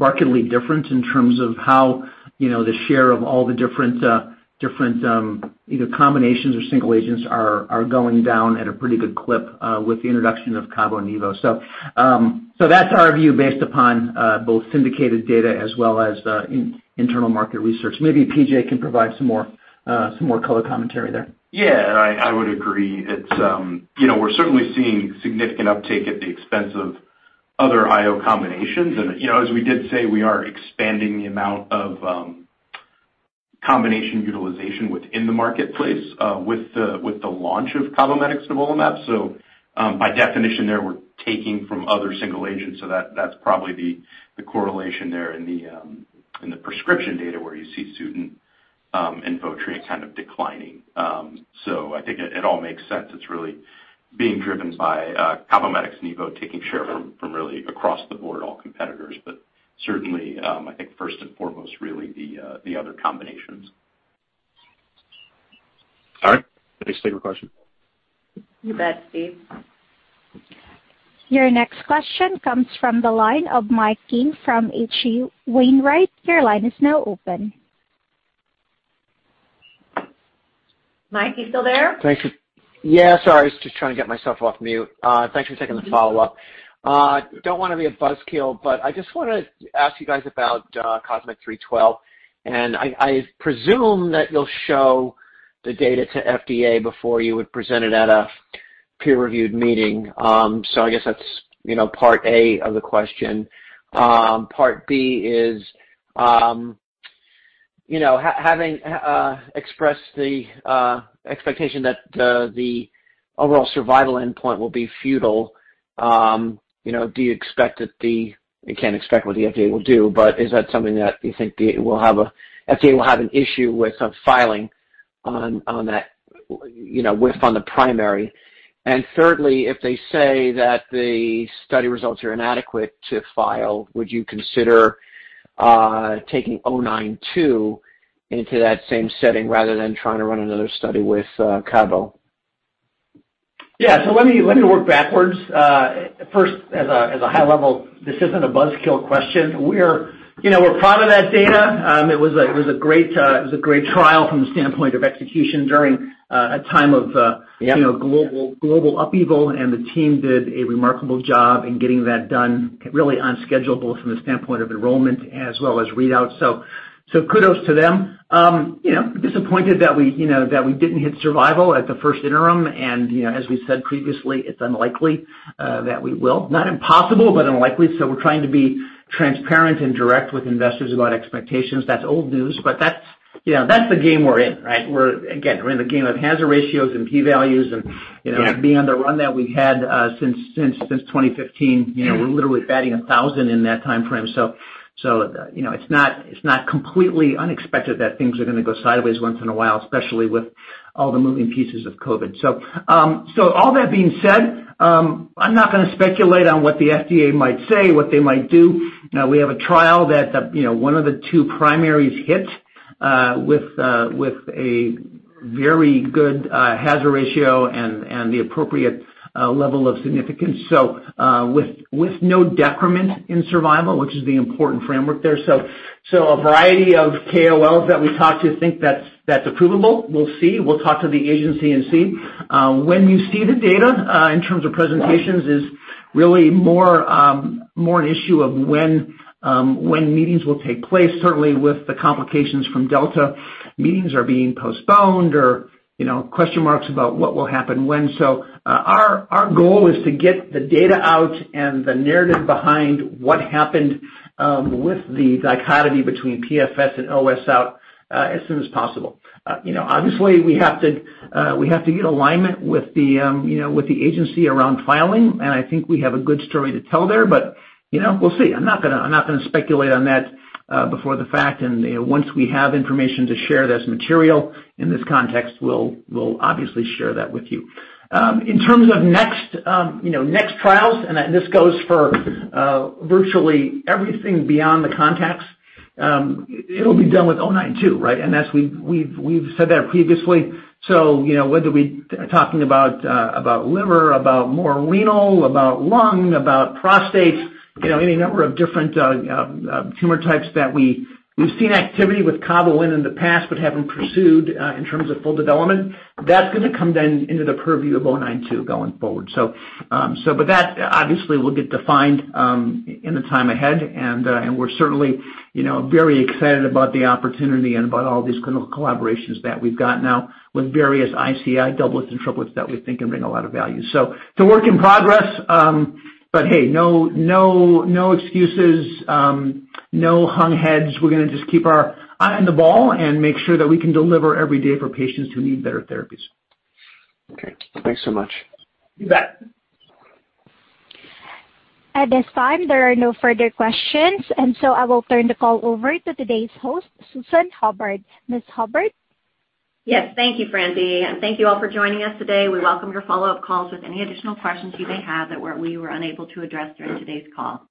markedly different in terms of how the share of all the different either combinations or single agents are going down at a pretty good clip with the introduction of cabo and nivo. That's our view based upon both syndicated data as well as internal market research. Maybe PJ can provide some more color commentary there. Yeah, I would agree. We're certainly seeing significant uptake at the expense of other IO combinations. As we did say, we are expanding the amount of combination utilization within the marketplace with the launch of CABOMETYX nivolumab. By definition there, we're taking from other single agents. That's probably the correlation there in the prescription data where you see SUTENT and VOTRIENT kind of declining. I think it all makes sense. It's really being driven by CABOMETYX and nivo taking share from really across the board, all competitors. Certainly, I think first and foremost, really the other combinations. All right. Thanks. Take your question. You bet, Steve. Your next question comes from the line of Mike King from HC Wainwright. Mike, you still there? Sorry, I was just trying to get myself off mute. Thanks for taking the follow-up. I just want to ask you guys about COSMIC-312. I presume that you'll show the data to FDA before you would present it at a peer-reviewed meeting. I guess that's part A of the question. Part B is, having expressed the expectation that the overall survival endpoint will be futile, do you expect that you can't expect what the FDA will do, is that something that you think the FDA will have an issue with filing on the primary? Thirdly, if they say that the study results are inadequate to file, would you consider taking 092 into that same setting rather than trying to run another study with cabo? Yeah. Let me work backwards. First, as a high level, this isn't a buzzkill question. We're proud of that data. It was a great trial from the standpoint of execution during a time of. Yep global upheaval. The team did a remarkable job in getting that done really on schedule, both from the standpoint of enrollment as well as readout. Kudos to them. Disappointed that we didn't hit survival at the first interim. As we said previously, it's unlikely that we will. Not impossible, unlikely. We're trying to be transparent and direct with investors about expectations. That's old news. That's the game we're in, right? We're, again, we're in the game of hazard ratios and P values. Yeah being on the run that we've had since 2015. We're literally batting 1,000 in that time frame. It's not completely unexpected that things are going to go sideways once in a while, especially with all the moving pieces of COVID. All that being said, I'm not going to speculate on what the FDA might say, what they might do. We have a trial that one of the two primaries hit with a very good hazard ratio and the appropriate level of significance. With no decrement in survival, which is the important framework there. A variety of KOLs that we talk to think that's approvable. We'll see. We'll talk to the agency and see. When you see the data, in terms of presentations, is really more an issue of when meetings will take place. Certainly with the complications from Delta, meetings are being postponed or question marks about what will happen when. Our goal is to get the data out and the narrative behind what happened with the dichotomy between PFS and OS out as soon as possible. Obviously we have to get alignment with the agency around filing, and I think we have a good story to tell there. We'll see. I'm not going to speculate on that before the fact, and once we have information to share that's material in this context, we'll obviously share that with you. In terms of next trials, this goes for virtually everything beyond the CONTACT, it'll be done with XL092, right? As we've said that previously. Whether we are talking about liver, about more renal, about lung, about prostate, any number of different tumor types that we've seen activity with CABOMETYX in the past but haven't pursued in terms of full development, that's going to come then into the purview of XL092 going forward. That obviously will get defined in the time ahead, and we're certainly very excited about the opportunity and about all these clinical collaborations that we've got now with various ICI doublets and triplets that we think can bring a lot of value. It's a work in progress, but hey, no excuses, no hung heads. We're going to just keep our eye on the ball and make sure that we can deliver every day for patients who need better therapies. Okay. Thanks so much. You bet. At this time, there are no further questions. I will turn the call over to today's host, Susan Hubbard. Ms. Hubbard? Yes, thank you, Franzy, and thank you all for joining us today. We welcome your follow-up calls with any additional questions you may have that we were unable to address during today's call.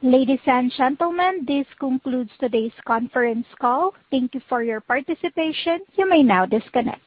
Ladies and gentlemen, this concludes today's conference call. Thank you for your participation. You may now disconnect.